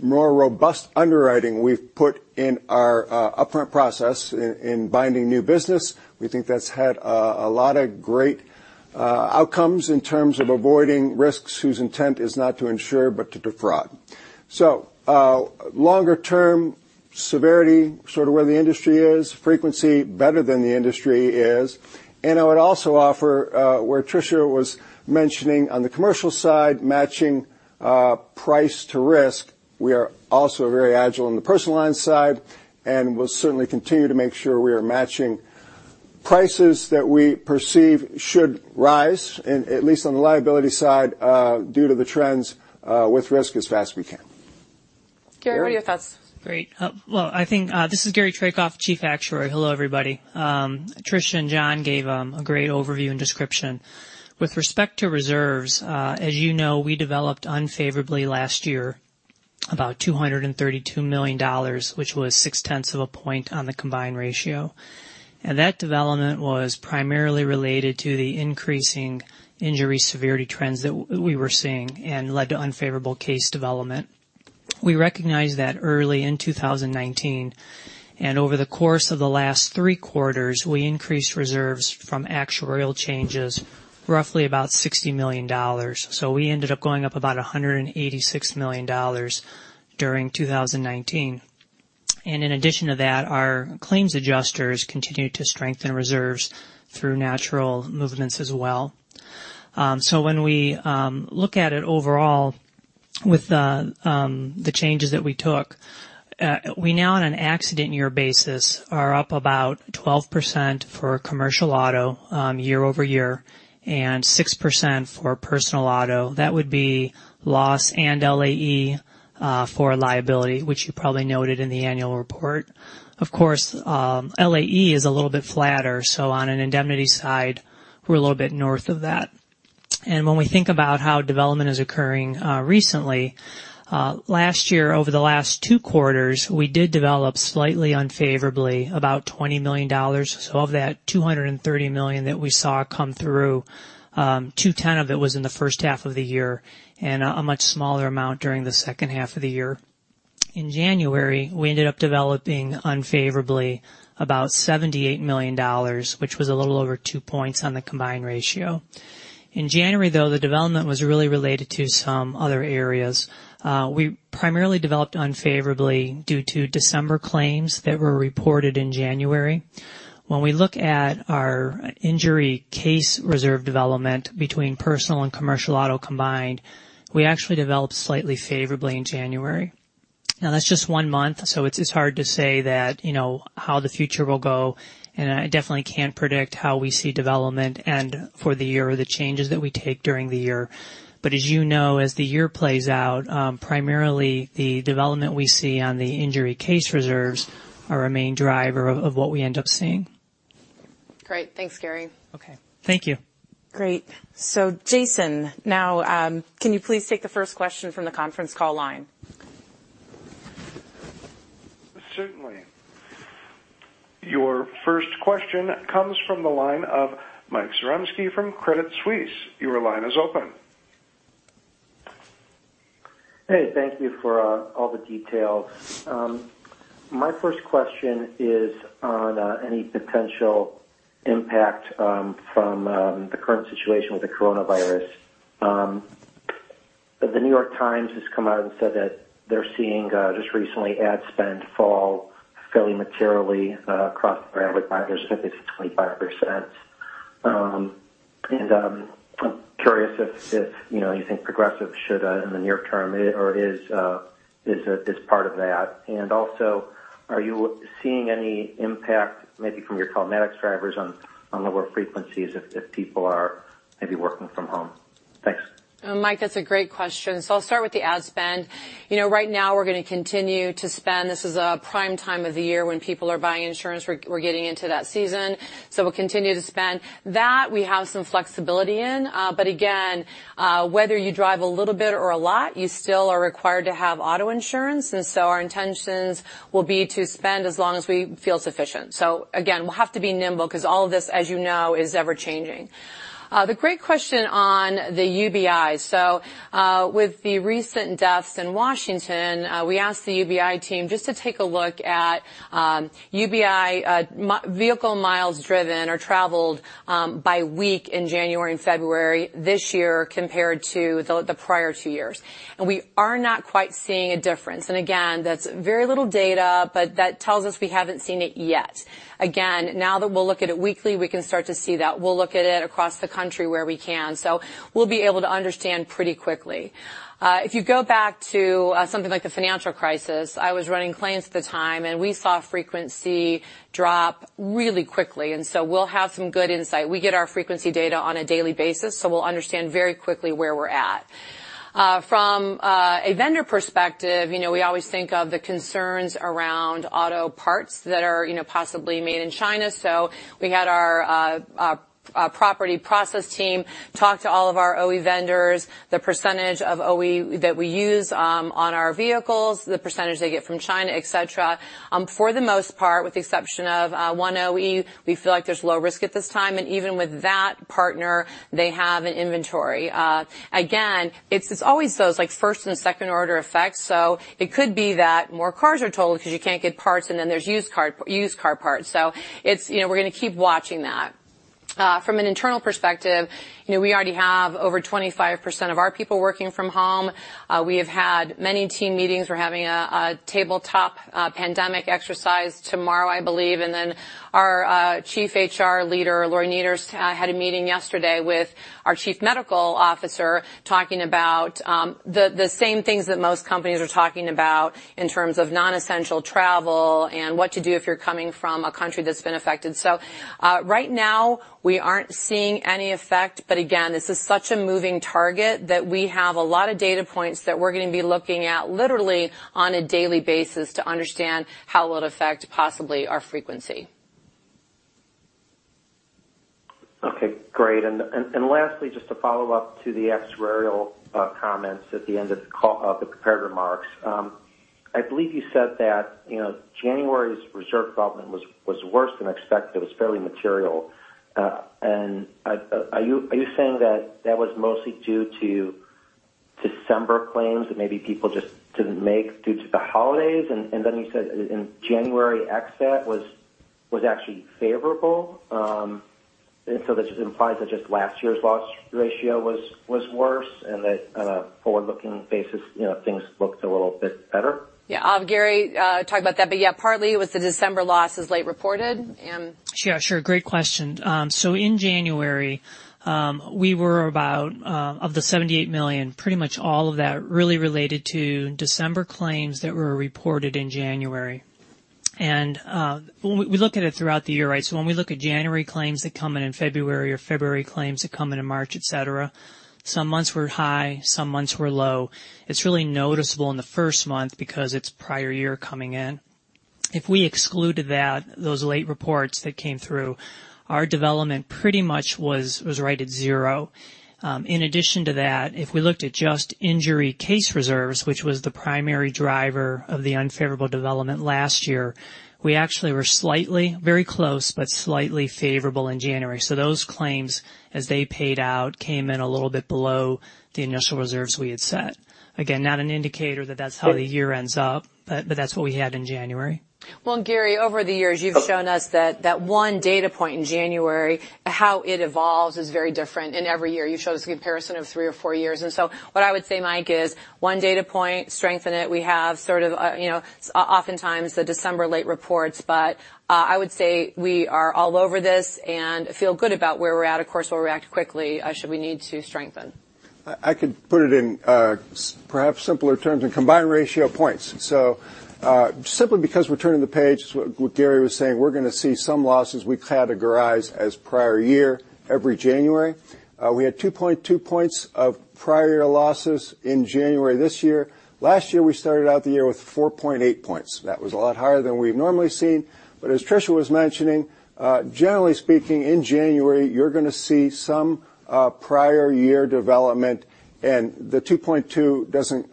[SPEAKER 6] more robust underwriting we've put in our upfront process in binding new business. We think that's had a lot of great outcomes in terms of avoiding risks whose intent is not to insure but to defraud. Longer-term severity, sort of where the industry is, frequency better than the industry is. I would also offer, where Tricia was mentioning on the commercial side, matching price to risk, we are also very agile in the personal lines side, and we'll certainly continue to make sure we are matching prices that we perceive should rise, at least on the liability side, due to the trends with risk as fast as we can.
[SPEAKER 3] Gary, what are your thoughts?
[SPEAKER 7] Great. Well, this is Gary Trajkov, Chief Actuary. Hello, everybody. Tricia and John gave a great overview and description. With respect to reserves, as you know, we developed unfavorably last year about $232 million, which was 0.6 of a point on the combined ratio. That development was primarily related to the increasing injury severity trends that we were seeing and led to unfavorable case development. We recognized that early in 2019, and over the course of the last three quarters, we increased reserves from actuarial changes, roughly about $60 million. We ended up going up about $186 million during 2019. In addition to that, our claims adjusters continued to strengthen reserves through natural movements as well. When we look at it overall with the changes that we took, we now on an accident year basis are up about 12% for commercial auto year-over-year and 6% for personal auto. That would be loss and LAE for liability, which you probably noted in the annual report. Of course, LAE is a little bit flatter, so on an indemnity side, we're a little bit north of that. When we think about how development is occurring recently, last year over the last two quarters, we did develop slightly unfavorably about $20 million. Of that $230 million that we saw come through, 210 of it was in the first half of the year and a much smaller amount during the second half of the year. In January, we ended up developing unfavorably about $78 million, which was a little over two points on the combined ratio. In January, the development was really related to some other areas. We primarily developed unfavorably due to December claims that were reported in January. When we look at our injury case reserve development between personal and commercial auto combined, we actually developed slightly favorably in January. That's just one month, so it's hard to say how the future will go, and I definitely can't predict how we see development and for the year or the changes that we take during the year. As you know, as the year plays out, primarily the development we see on the injury case reserves are a main driver of what we end up seeing.
[SPEAKER 3] Great. Thanks, Gary.
[SPEAKER 7] Okay. Thank you.
[SPEAKER 3] Great. Jason, now can you please take the first question from the conference call line?
[SPEAKER 1] Certainly. Your first question comes from the line of Mike Zaremski from Credit Suisse. Your line is open.
[SPEAKER 8] Hey, thank you for all the details. My first question is on any potential impact from the current situation with the coronavirus. The New York Times has come out and said that they're seeing just recently ad spend fall fairly materially across the board by as much as 25%. I'm curious if you think Progressive should in the near term or is this part of that? Also, are you seeing any impact maybe from your telematics drivers on lower frequencies if people are maybe working from home? Thanks.
[SPEAKER 3] Mike, that's a great question. I'll start with the ad spend. Right now we're going to continue to spend. This is a prime time of the year when people are buying insurance. We're getting into that season, we'll continue to spend. That we have some flexibility in. Again, whether you drive a little bit or a lot, you still are required to have auto insurance. Our intentions will be to spend as long as we feel sufficient. Again, we'll have to be nimble because all of this, as you know, is ever-changing. The great question on the UBI. With the recent deaths in Washington, we asked the UBI team just to take a look at UBI vehicle miles driven or traveled by week in January and February this year compared to the prior two years. We are not quite seeing a difference. Again, that's very little data, that tells us we haven't seen it yet. Again, now that we'll look at it weekly, we can start to see that. We'll look at it across the country where we can. We'll be able to understand pretty quickly. If you go back to something like the financial crisis, I was running claims at the time, we saw frequency drop really quickly, we'll have some good insight. We get our frequency data on a daily basis, we'll understand very quickly where we're at. From a vendor perspective, we always think of the concerns around auto parts that are possibly made in China. We had our property process team talk to all of our OE vendors, the percentage of OE that we use on our vehicles, the percentage they get from China, et cetera. For the most part, with the exception of one OE, we feel like there's low risk at this time, and even with that partner, they have an inventory. Again, it's always those first and second order effects. It could be that more cars are totaled because you can't get parts, and then there's used car parts. We're going to keep watching that. From an internal perspective, we already have over 25% of our people working from home. We have had many team meetings. We're having a tabletop pandemic exercise tomorrow, I believe. Our chief HR leader, Lori Niederst, had a meeting yesterday with our chief medical officer talking about the same things that most companies are talking about in terms of non-essential travel and what to do if you're coming from a country that's been affected. Right now we aren't seeing any effect. Again, this is such a moving target that we have a lot of data points that we're going to be looking at literally on a daily basis to understand how it will affect possibly our frequency.
[SPEAKER 8] Okay, great. Lastly, just to follow up to the actuarial comments at the end of the prepared remarks. I believe you said that January's reserve development was worse than expected, was fairly material. Are you saying that that was mostly due to December claims that maybe people just didn't make due to the holidays? You said in January, ex that was actually favorable. This implies that just last year's loss ratio was worse and that on a forward-looking basis, things looked a little bit better.
[SPEAKER 3] Yeah. I'll have Gary talk about that. Yeah, partly it was the December losses late reported.
[SPEAKER 7] Sure. Great question. In January, we were about of the $78 million, pretty much all of that really related to December claims that were reported in January. We look at it throughout the year, right? When we look at January claims that come in in February or February claims that come in in March, et cetera, some months were high, some months were low. It's really noticeable in the first month because it's prior year coming in. If we excluded that, those late reports that came through, our development pretty much was right at zero. In addition to that, if we looked at just injury case reserves, which was the primary driver of the unfavorable development last year, we actually were slightly, very close, but slightly favorable in January. Those claims, as they paid out, came in a little bit below the initial reserves we had set. Again, not an indicator that that's how the year ends up, but that's what we had in January.
[SPEAKER 3] Gary, over the years you've shown us that that one data point in January, how it evolves is very different in every year. You showed us a comparison of three or four years. What I would say, Mike, is one data point, strengthen it. We have oftentimes the December late reports, I would say we are all over this and feel good about where we're at. Of course, we'll react quickly should we need to strengthen.
[SPEAKER 6] I could put it in perhaps simpler terms in combined ratio points. Simply because we're turning the page, what Gary was saying, we're going to see some losses we categorize as prior year every January. We had 2.2 points of prior year losses in January this year. Last year, we started out the year with 4.8 points. That was a lot higher than we've normally seen. As Tricia was mentioning, generally speaking, in January you're going to see some prior year development and the 2.2 doesn't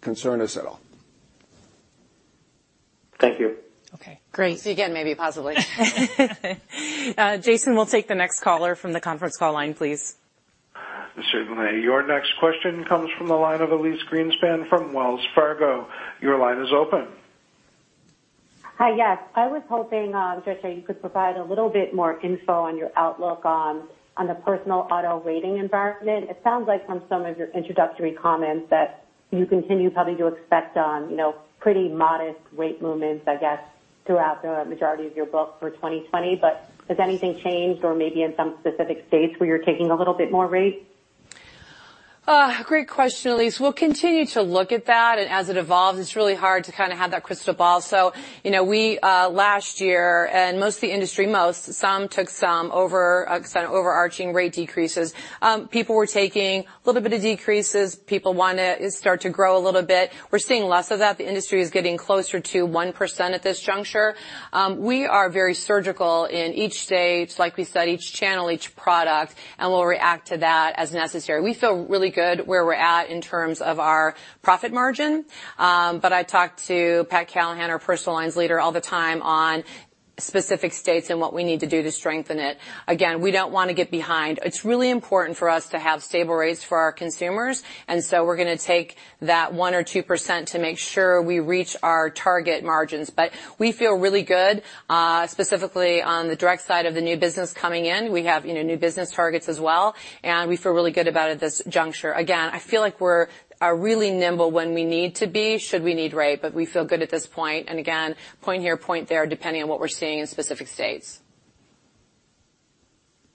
[SPEAKER 6] concern us at all.
[SPEAKER 8] Thank you.
[SPEAKER 7] Okay, great.
[SPEAKER 3] See you again maybe possibly.
[SPEAKER 2] Jason, we'll take the next caller from the conference call line, please.
[SPEAKER 1] Certainly. Your next question comes from the line of Elyse Greenspan from Wells Fargo. Your line is open.
[SPEAKER 9] Hi. Yes, I was hoping, Tricia, you could provide a little bit more info on your outlook on the personal auto rating environment. It sounds like from some of your introductory comments that you continue probably to expect on pretty modest rate movements, I guess, throughout the majority of your book for 2020. Has anything changed or maybe in some specific states where you're taking a little bit more rate?
[SPEAKER 3] Great question, Elyse. We'll continue to look at that and as it evolves, it's really hard to have that crystal ball. Last year, and most of the industry, most, some took some overarching rate decreases. People were taking a little bit of decreases. People want to start to grow a little bit. We're seeing less of that. The industry is getting closer to 1% at this juncture. We are very surgical in each state, like we said, each channel, each product, and we'll react to that as necessary. We feel really good where we're at in terms of our profit margin. I talk to Pat Callahan, our personal lines leader, all the time on specific states and what we need to do to strengthen it. Again, we don't want to get behind. It's really important for us to have stable rates for our consumers, we're going to take that 1% or 2% to make sure we reach our target margins. We feel really good, specifically on the direct side of the new business coming in. We have new business targets as well, we feel really good about it at this juncture. Again, I feel like we're really nimble when we need to be, should we need rate, but we feel good at this point, again, point here, point there, depending on what we're seeing in specific states.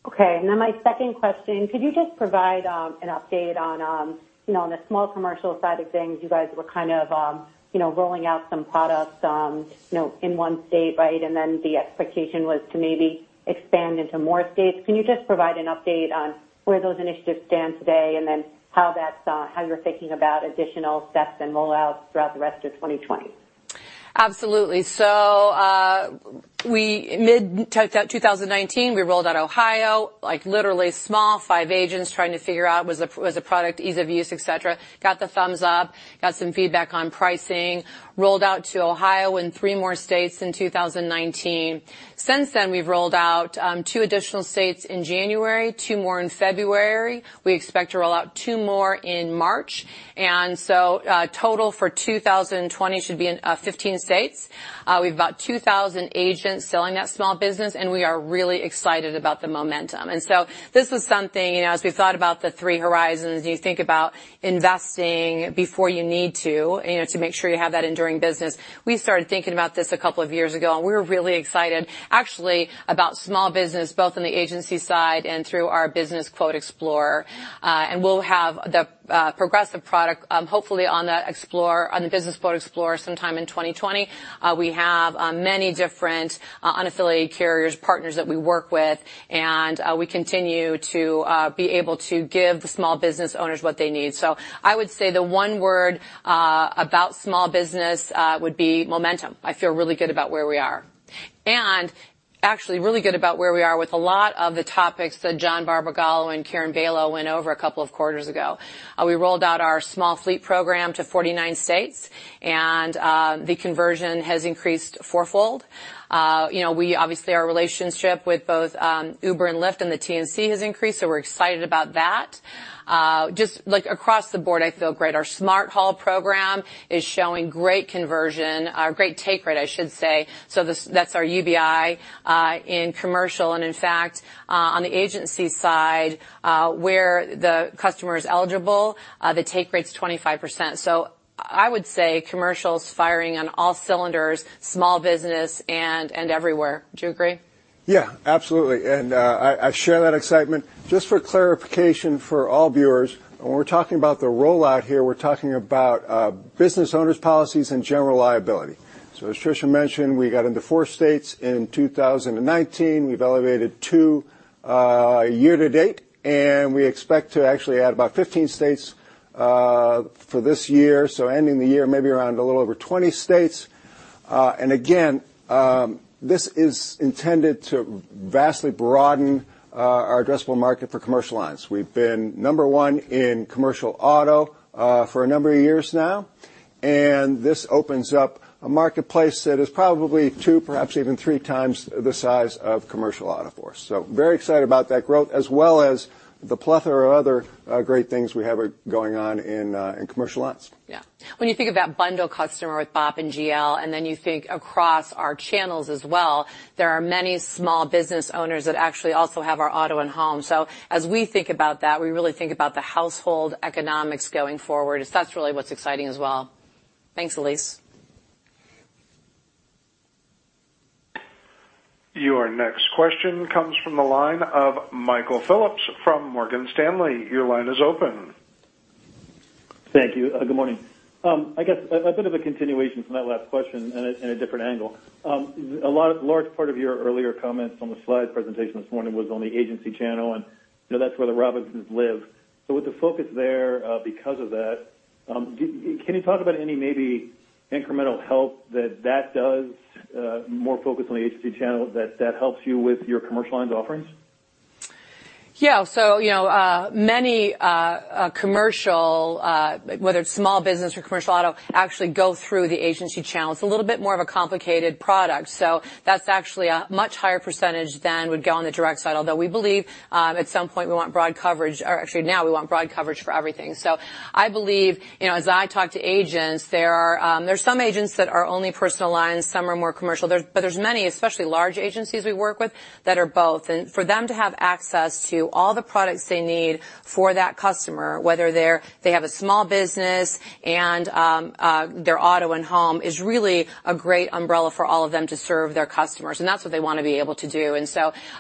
[SPEAKER 9] Okay, my second question, could you just provide an update on the small commercial side of things? You guys were rolling out some products in one state, the expectation was to maybe expand into more states. Can you just provide an update on where those initiatives stand today, how you're thinking about additional steps and rollouts throughout the rest of 2020?
[SPEAKER 3] Absolutely. Mid-2019, we rolled out Ohio, literally small, five agents trying to figure out was the product ease of use, et cetera. Got the thumbs up, got some feedback on pricing. Rolled out to Ohio and three more states in 2019. Since then, we've rolled out two additional states in January, two more in February. We expect to roll out two more in March. Total for 2020 should be in 15 states. We've got 2,000 agents selling that small business, we are really excited about the momentum. This was something, as we thought about the three horizons, you think about investing before you need to make sure you have that enduring business. We started thinking about this a couple of years ago, we were really excited, actually, about small business, both on the agency side and through our Business Quote Explorer. We'll have the Progressive product hopefully on the Business Quote Explorer sometime in 2020. We have many different unaffiliated carriers, partners that we work with, we continue to be able to give the small business owners what they need. I would say the one word about small business would be momentum. I feel really good about where we are. Actually really good about where we are with a lot of the topics that John Barbagallo and Karen Bailo went over a couple of quarters ago. We rolled out our Small Fleet program to 49 states, the conversion has increased fourfold. Obviously, our relationship with both Uber and Lyft and the TNC has increased, we're excited about that. Just across the board, I feel great. Our Smart Haul program is showing great conversion, great take rate, I should say. That's our UBI in commercial, in fact, on the agency side, where the customer is eligible, the take rate's 25%. I would say commercial's firing on all cylinders, small business, and everywhere. Do you agree?
[SPEAKER 6] Absolutely, and I share that excitement. Just for clarification for all viewers, when we're talking about the rollout here, we're talking about business owners' policies and general liability. As Tricia mentioned, we got into four states in 2019. We've elevated two year to date, and we expect to actually add about 15 states for this year. Ending the year maybe around a little over 20 states. Again, this is intended to vastly broaden our addressable market for commercial lines. We've been number one in commercial auto for a number of years now, and this opens up a marketplace that is probably two, perhaps even three times the size of commercial auto for us. Very excited about that growth, as well as the plethora of other great things we have going on in commercial lines.
[SPEAKER 3] When you think of that bundle customer with BOP and GL, and then you think across our channels as well, there are many small business owners that actually also have our auto and home. As we think about that, we really think about the household economics going forward, as that's really what's exciting as well. Thanks, Elyse.
[SPEAKER 1] Your next question comes from the line of Michael Phillips from Morgan Stanley. Your line is open.
[SPEAKER 10] Thank you. Good morning. I guess a bit of a continuation from that last question in a different angle. A large part of your earlier comments on the slide presentation this morning was on the agency channel, and that's where the Robinsons live. With the focus there because of that, can you talk about any maybe incremental help that that does, more focus on the agency channel that helps you with your commercial lines offerings?
[SPEAKER 3] Many commercial, whether it's small business or commercial auto, actually go through the agency channel. It's a little bit more of a complicated product. That's actually a much higher percentage than would go on the direct side, although we believe at some point we want broad coverage, or actually now we want broad coverage for everything. I believe, as I talk to agents, there's some agents that are only personal lines, some are more commercial. There's many, especially large agencies we work with, that are both. For them to have access to all the products they need for that customer, whether they have a small business and their auto and home, is really a great umbrella for all of them to serve their customers, and that's what they want to be able to do.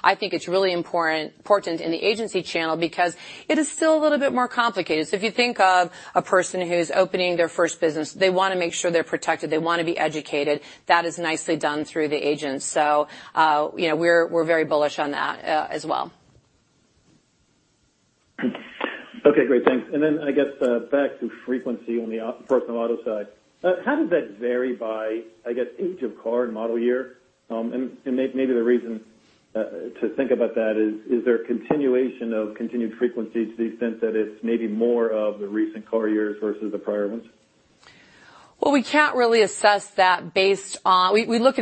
[SPEAKER 3] I think it's really important in the agency channel because it is still a little bit more complicated. If you think of a person who's opening their first business, they want to make sure they're protected. They want to be educated. That is nicely done through the agents. We're very bullish on that as well.
[SPEAKER 10] Okay, great. Thanks. I guess, back to frequency on the personal auto side, how does that vary by, I guess, age of car and model year? Maybe the reason to think about that is there a continuation of continued frequency to the extent that it's maybe more of the recent car years versus the prior ones?
[SPEAKER 3] Well, we look at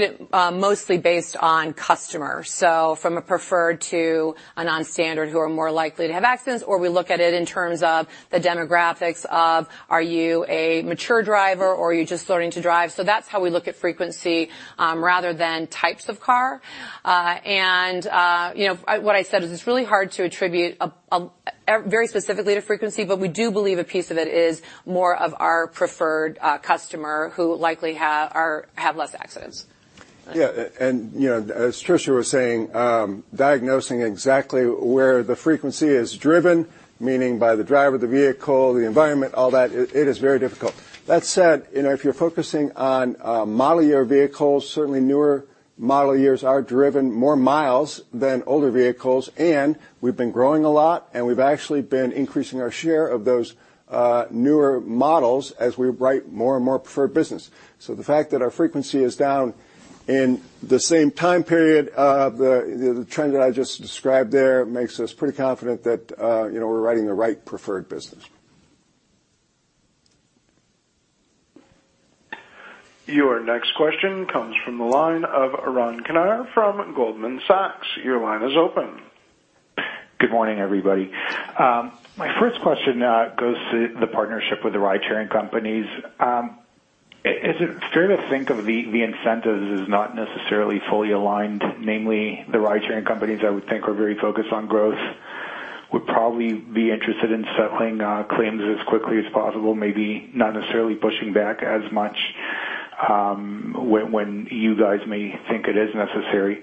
[SPEAKER 3] it mostly based on customer. From a preferred to a non-standard, who are more likely to have accidents, or we look at it in terms of the demographics of, are you a mature driver or are you just starting to drive? That's how we look at frequency, rather than types of car. What I said is it's really hard to attribute very specifically to frequency, but we do believe a piece of it is more of our preferred customer who likely have less accidents.
[SPEAKER 6] Yeah. As Tricia was saying, diagnosing exactly where the frequency is driven, meaning by the driver of the vehicle, the environment, all that, it is very difficult. That said, if you're focusing on model year vehicles, certainly newer model years are driven more miles than older vehicles. We've been growing a lot, and we've actually been increasing our share of those newer models as we write more and more preferred business. The fact that our frequency is down in the same time period of the trend that I just described there makes us pretty confident that we're writing the right preferred business.
[SPEAKER 1] Your next question comes from the line of Yaron Kinar from Goldman Sachs. Your line is open.
[SPEAKER 11] Good morning, everybody. My first question goes to the partnership with the ride sharing companies. Is it fair to think of the incentives as not necessarily fully aligned, namely the ride sharing companies I would think are very focused on growth, would probably be interested in settling claims as quickly as possible, maybe not necessarily pushing back as much, when you guys may think it is necessary.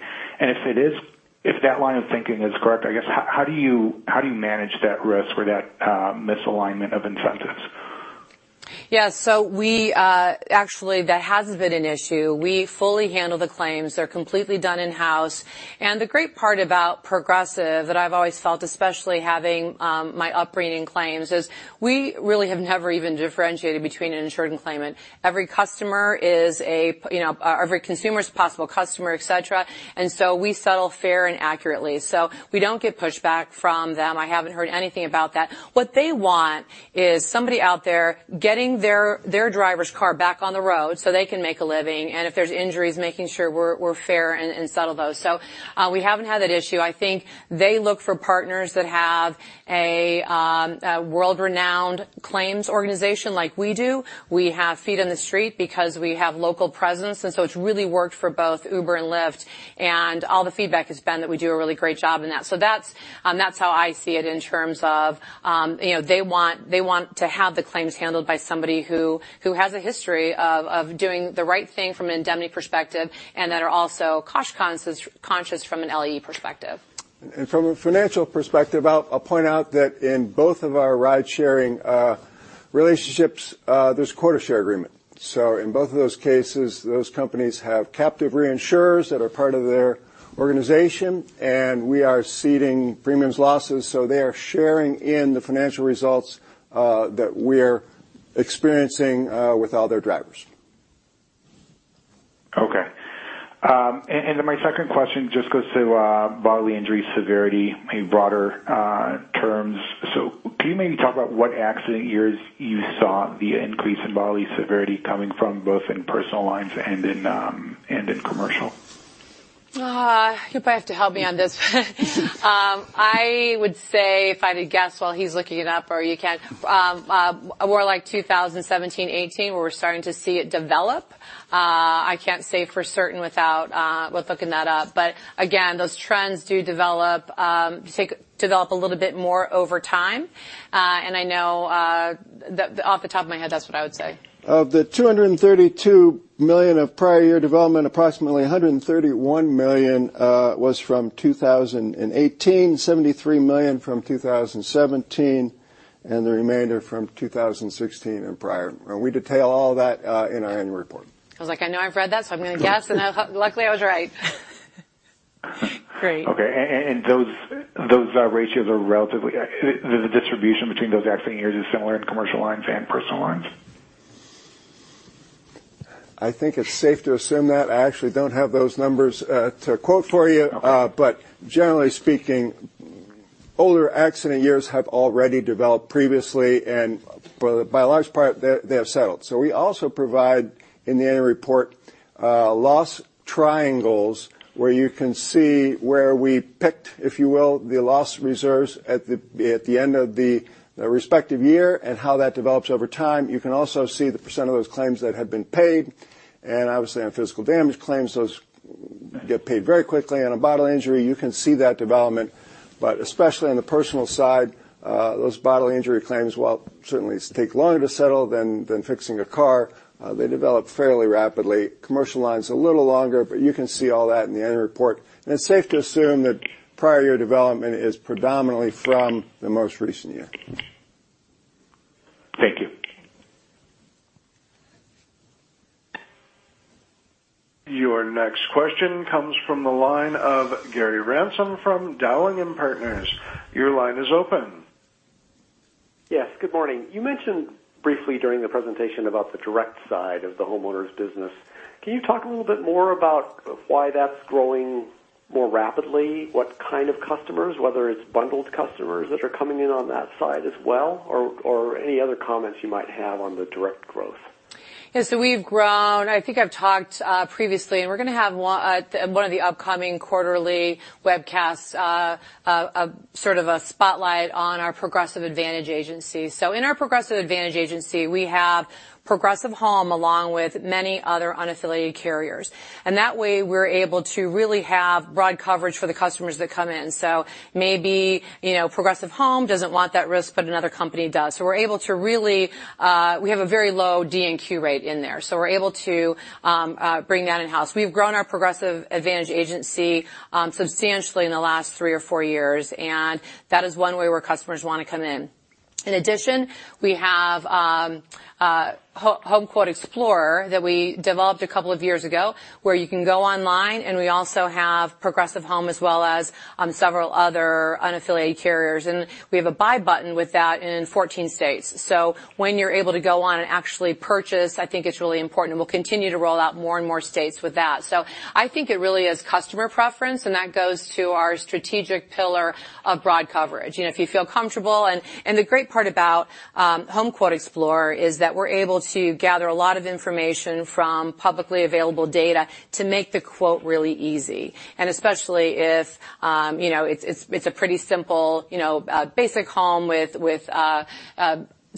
[SPEAKER 11] If that line of thinking is correct, I guess, how do you manage that risk or that misalignment of incentives?
[SPEAKER 3] Actually that hasn't been an issue. We fully handle the claims. They're completely done in-house. The great part about Progressive that I've always felt, especially having my upbringing in claims, is we really have never even differentiated between an insured and claimant. Every consumer is a possible customer, et cetera, and so we settle fair and accurately. We don't get pushback from them. I haven't heard anything about that. What they want is somebody out there getting their driver's car back on the road so they can make a living, and if there's injuries, making sure we're fair and settle those. We haven't had that issue. I think they look for partners that have a world-renowned claims organization like we do. We have feet in the street because we have local presence. It's really worked for both Uber and Lyft, and all the feedback has been that we do a really great job in that. That's how I see it in terms of, they want to have the claims handled by somebody who has a history of doing the right thing from an indemnity perspective and that are also cost conscious from an LAE perspective.
[SPEAKER 6] From a financial perspective, I'll point out that in both of our ride sharing relationships, there's a quota share agreement. In both of those cases, those companies have captive reinsurers that are part of their organization, and we are ceding premiums losses. They are sharing in the financial results that we're experiencing with all their drivers.
[SPEAKER 11] Okay. My second question just goes to bodily injury severity in broader terms. Can you maybe talk about what accident years you saw the increase in bodily severity coming from, both in personal lines and in commercial?
[SPEAKER 3] You probably have to help me on this one. I would say if I had to guess while he's looking it up or you can, more like 2017, 2018, where we're starting to see it develop. I can't say for certain without looking that up. Again, those trends do develop a little bit more over time. I know that off the top of my head, that's what I would say.
[SPEAKER 6] Of the $232 million of prior year development, approximately $131 million was from 2018, $73 million from 2017, and the remainder from 2016 and prior. We detail all that in our annual report.
[SPEAKER 3] I was like, I know I've read that, I'm going to guess, luckily I was right. Great.
[SPEAKER 11] Okay. Those ratios are relatively, the distribution between those accident years is similar in commercial lines and personal lines?
[SPEAKER 6] I think it's safe to assume that. I actually don't have those numbers to quote for you.
[SPEAKER 11] Okay.
[SPEAKER 6] Generally speaking, older accident years have already developed previously, and by a large part they have settled. We also provide in the annual report, loss triangles where you can see where we picked, if you will, the loss reserves at the end of the respective year and how that develops over time. You can also see the % of those claims that have been paid, and obviously on physical damage claims, those get paid very quickly. On a bodily injury, you can see that development. Especially on the personal side, those bodily injury claims, while certainly take longer to settle than fixing a car, they develop fairly rapidly. Commercial lines, a little longer, but you can see all that in the annual report. It's safe to assume that prior year development is predominantly from the most recent year.
[SPEAKER 11] Thank you.
[SPEAKER 1] Your next question comes from the line of Gary Ransom from Dowling & Partners. Your line is open.
[SPEAKER 12] Yes, good morning. You mentioned briefly during the presentation about the direct side of the homeowners business. Can you talk a little bit more about why that's growing more rapidly? What kind of customers, whether it's bundled customers that are coming in on that side as well, or any other comments you might have on the direct growth?
[SPEAKER 3] We've grown, I think I've talked previously, and we're going to have one of the upcoming quarterly webcasts, sort of a spotlight on our Progressive Advantage Agency. In our Progressive Advantage Agency, we have Progressive Home, along with many other unaffiliated carriers. That way, we're able to really have broad coverage for the customers that come in. Maybe Progressive Home doesn't want that risk, but another company does. We have a very low DNQ rate in there, so we're able to bring that in-house. We've grown our Progressive Advantage Agency substantially in the last three or four years, that is one way where customers want to come in. In addition, we have HomeQuote Explorer that we developed a couple of years ago, where you can go online, we also have Progressive Home as well as several other unaffiliated carriers, we have a buy button with that in 14 states. When you're able to go on and actually purchase, I think it's really important, we'll continue to roll out more and more states with that. I think it really is customer preference, that goes to our strategic pillar of broad coverage. If you feel comfortable, the great part about HomeQuote Explorer is that we're able to gather a lot of information from publicly available data to make the quote really easy. Especially if it's a pretty simple basic home with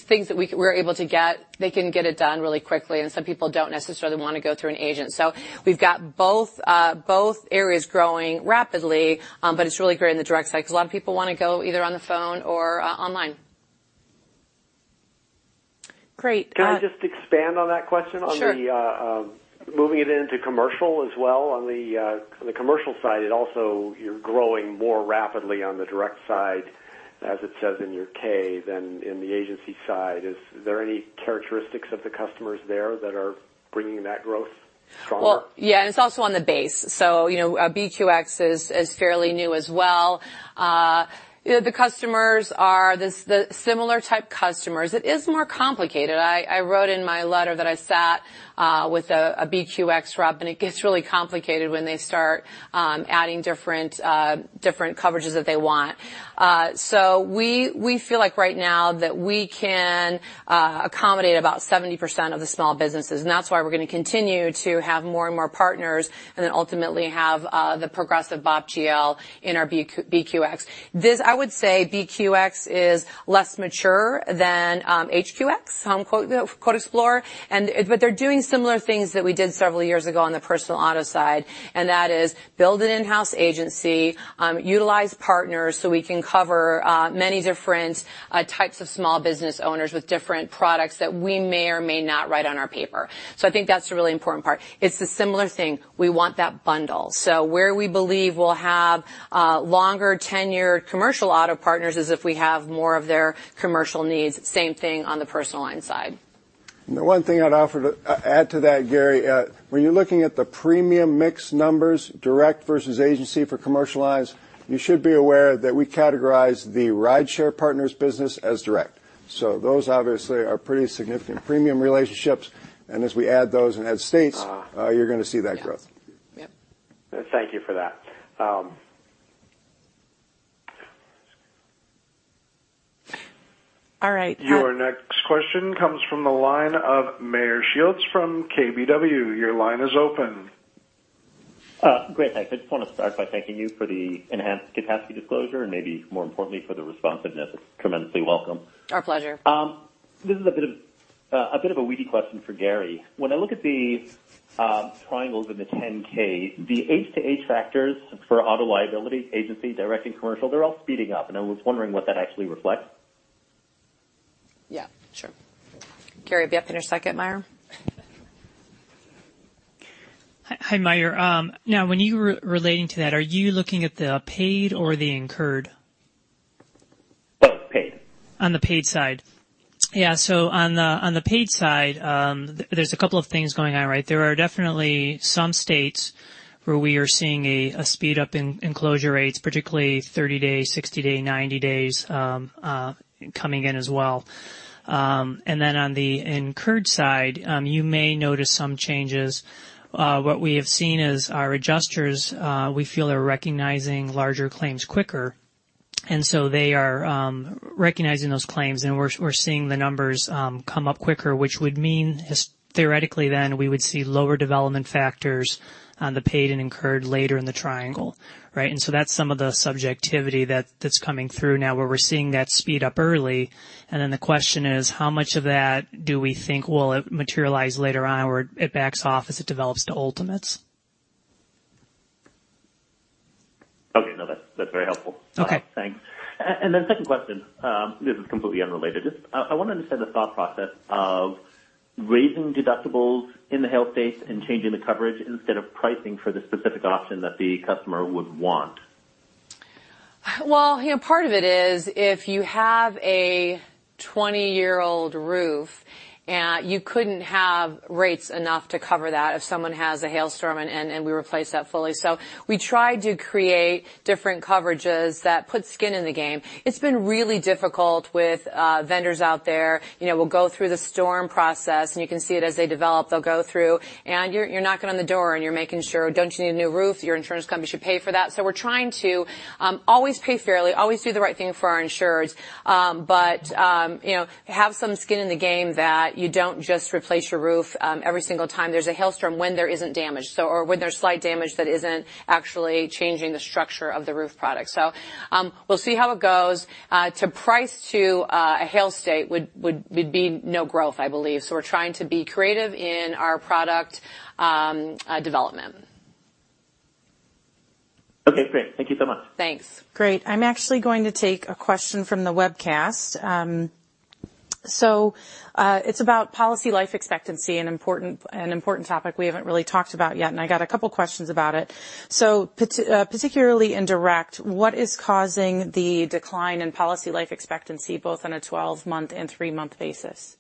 [SPEAKER 3] things that we're able to get, they can get it done really quickly, some people don't necessarily want to go through an agent. We've got both areas growing rapidly, but it's really great in the direct side because a lot of people want to go either on the phone or online. Great.
[SPEAKER 12] Can I just expand on that question on the-
[SPEAKER 3] Sure.
[SPEAKER 12] Moving it into commercial as well on the commercial side, it also, you're growing more rapidly on the direct side, as it says in your K than in the agency side. Is there any characteristics of the customers there that are bringing that growth stronger?
[SPEAKER 3] Well, yeah, it's also on the base. BQX is fairly new as well. The customers are the similar type customers. It is more complicated. I wrote in my letter that I sat with a BQX rep, it gets really complicated when they start adding different coverages that they want. We feel like right now that we can accommodate about 70% of the small businesses, that's why we're going to continue to have more and more partners and then ultimately have the Progressive BOP GL in our BQX. I would say BQX is less mature than HQX, HomeQuote Explorer, they're doing similar things that we did several years ago on the personal auto side, that is build an in-house agency, utilize partners so we can cover many different types of small business owners with different products that we may or may not write on our paper. I think that's the really important part. It's a similar thing. We want that bundle. Where we believe we'll have longer tenure commercial auto partners is if we have more of their commercial needs. Same thing on the personal line side.
[SPEAKER 6] The one thing I'd offer to add to that, Gary, when you're looking at the premium mix numbers, direct versus agency for commercial lines, you should be aware that we categorize the Rideshare Partners business as direct. Those obviously are pretty significant premium relationships, as we add those and add states, you're going to see that growth.
[SPEAKER 3] Yes.
[SPEAKER 12] Thank you for that.
[SPEAKER 3] All right.
[SPEAKER 1] Your next question comes from the line of Meyer Shields from KBW. Your line is open.
[SPEAKER 13] Great, thanks. I just want to start by thanking you for the enhanced capacity disclosure and maybe more importantly, for the responsiveness. Tremendously welcome.
[SPEAKER 3] Our pleasure.
[SPEAKER 13] This is a bit of a weedy question for Gary. When I look at the triangles in the 10-K, the H to H factors for auto liability agency, direct and commercial, they're all speeding up, and I was wondering what that actually reflects?
[SPEAKER 3] Yeah, sure. Gary, be up in a second, Meyer.
[SPEAKER 7] Hi, Meyer. Now when you were relating to that, are you looking at the paid or the incurred?
[SPEAKER 13] Both. Paid.
[SPEAKER 7] On the paid side. Yeah. On the paid side, there's a couple of things going on, right? There are definitely some states where we are seeing a speed up in closure rates, particularly 30 days, 60 days, 90 days coming in as well. On the incurred side, you may notice some changes. What we have seen is our adjusters, we feel they're recognizing larger claims quicker, and so they are recognizing those claims, and we're seeing the numbers come up quicker, which would mean theoretically then we would see lower development factors on the paid and incurred later in the triangle. Right? That's some of the subjectivity that's coming through now where we're seeing that speed up early. The question is, how much of that do we think will materialize later on, or it backs off as it develops to ultimates?
[SPEAKER 13] Okay, no, that's very helpful.
[SPEAKER 7] Okay.
[SPEAKER 13] Thanks. Second question, this is completely unrelated. Just I want to understand the thought process of raising deductibles in the health state and changing the coverage instead of pricing for the specific option that the customer would want
[SPEAKER 3] part of it is if you have a 20-year-old roof, you couldn't have rates enough to cover that if someone has a hailstorm, and we replace that fully. We try to create different coverages that put skin in the game. It's been really difficult with vendors out there. We'll go through the storm process, and you can see it as they develop. They'll go through, and you're knocking on the door, and you're making sure, "Don't you need a new roof? Your insurance company should pay for that." We're trying to always pay fairly, always do the right thing for our insureds, but have some skin in the game that you don't just replace your roof every single time there's a hailstorm when there isn't damage, or when there's slight damage that isn't actually changing the structure of the roof product. We'll see how it goes. To price to a hail state would be no growth, I believe. We're trying to be creative in our product development.
[SPEAKER 13] Okay, great. Thank you so much.
[SPEAKER 3] Thanks.
[SPEAKER 2] Great. I'm actually going to take a question from the webcast. It's about policy life expectancy, an important topic we haven't really talked about yet, and I got a couple questions about it. Particularly in direct, what is causing the decline in policy life expectancy, both on a 12-month and three-month basis?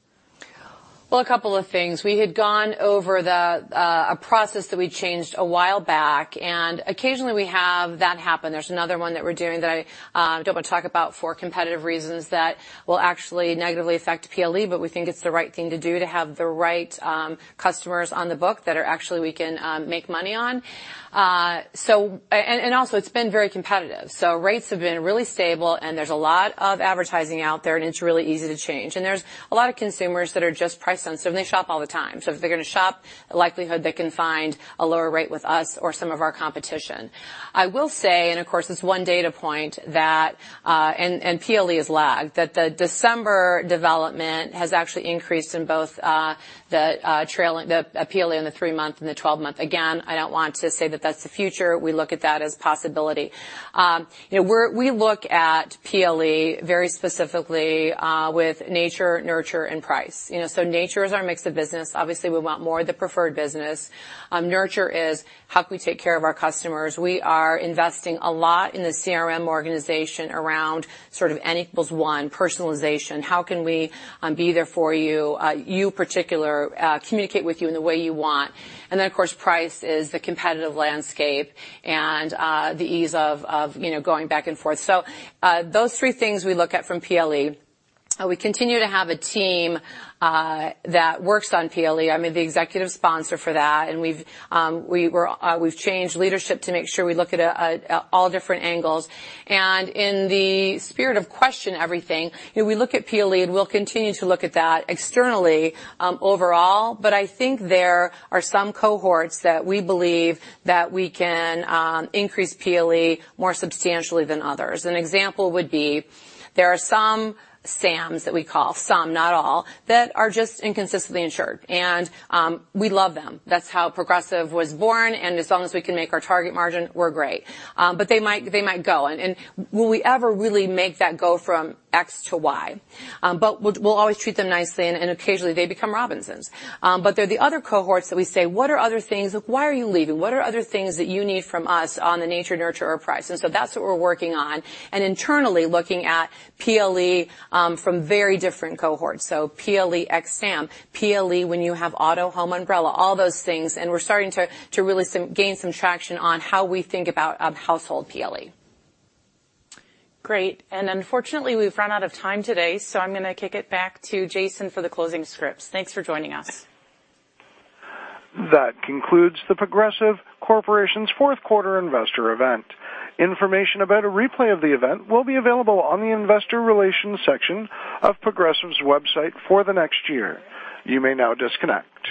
[SPEAKER 3] Well, a couple of things. We had gone over a process that we changed a while back, occasionally we have that happen. There's another one that we're doing that I don't want to talk about for competitive reasons that will actually negatively affect PLE, we think it's the right thing to do to have the right customers on the book that are actually we can make money on. Also, it's been very competitive. Rates have been really stable, there's a lot of advertising out there, it's really easy to change. There's a lot of consumers that are just price sensitive, they shop all the time. If they're going to shop, the likelihood they can find a lower rate with us or some of our competition. I will say, of course, it's one data point, PLE has lagged, that the December development has actually increased in both the PLE in the three-month and the 12-month. Again, I don't want to say that that's the future. We look at that as possibility. We look at PLE very specifically with nature, nurture, and price. Nature is our mix of business. Obviously, we want more of the preferred business. Nurture is how can we take care of our customers. We are investing a lot in the CRM organization around sort of n equals one personalization. How can we be there for you particular, communicate with you in the way you want. Then, of course, price is the competitive landscape and the ease of going back and forth. Those three things we look at from PLE. We continue to have a team that works on PLE. I'm the executive sponsor for that, we've changed leadership to make sure we look at all different angles. In the spirit of question everything, we look at PLE, we'll continue to look at that externally overall, I think there are some cohorts that we believe that we can increase PLE more substantially than others. An example would be there are some Sams that we call, some not all, that are just inconsistently insured, we love them. That's how Progressive was born, as long as we can make our target margin, we're great, they might go. Will we ever really make that go from X to Y? We'll always treat them nicely, occasionally they become Robinsons. They're the other cohorts that we say, "What are other things? Why are you leaving? What are other things that you need from us on the nature, nurture or price?" That's what we're working on, internally looking at PLE from very different cohorts. PLE X Sam, PLE when you have auto, home, umbrella, all those things, we're starting to really gain some traction on how we think about household PLE.
[SPEAKER 2] Great. Unfortunately, we've run out of time today, I'm going to kick it back to Jason for the closing scripts. Thanks for joining us.
[SPEAKER 1] That concludes The Progressive Corporation's fourth quarter investor event. Information about a replay of the event will be available on the investor relations section of Progressive's website for the next year. You may now disconnect.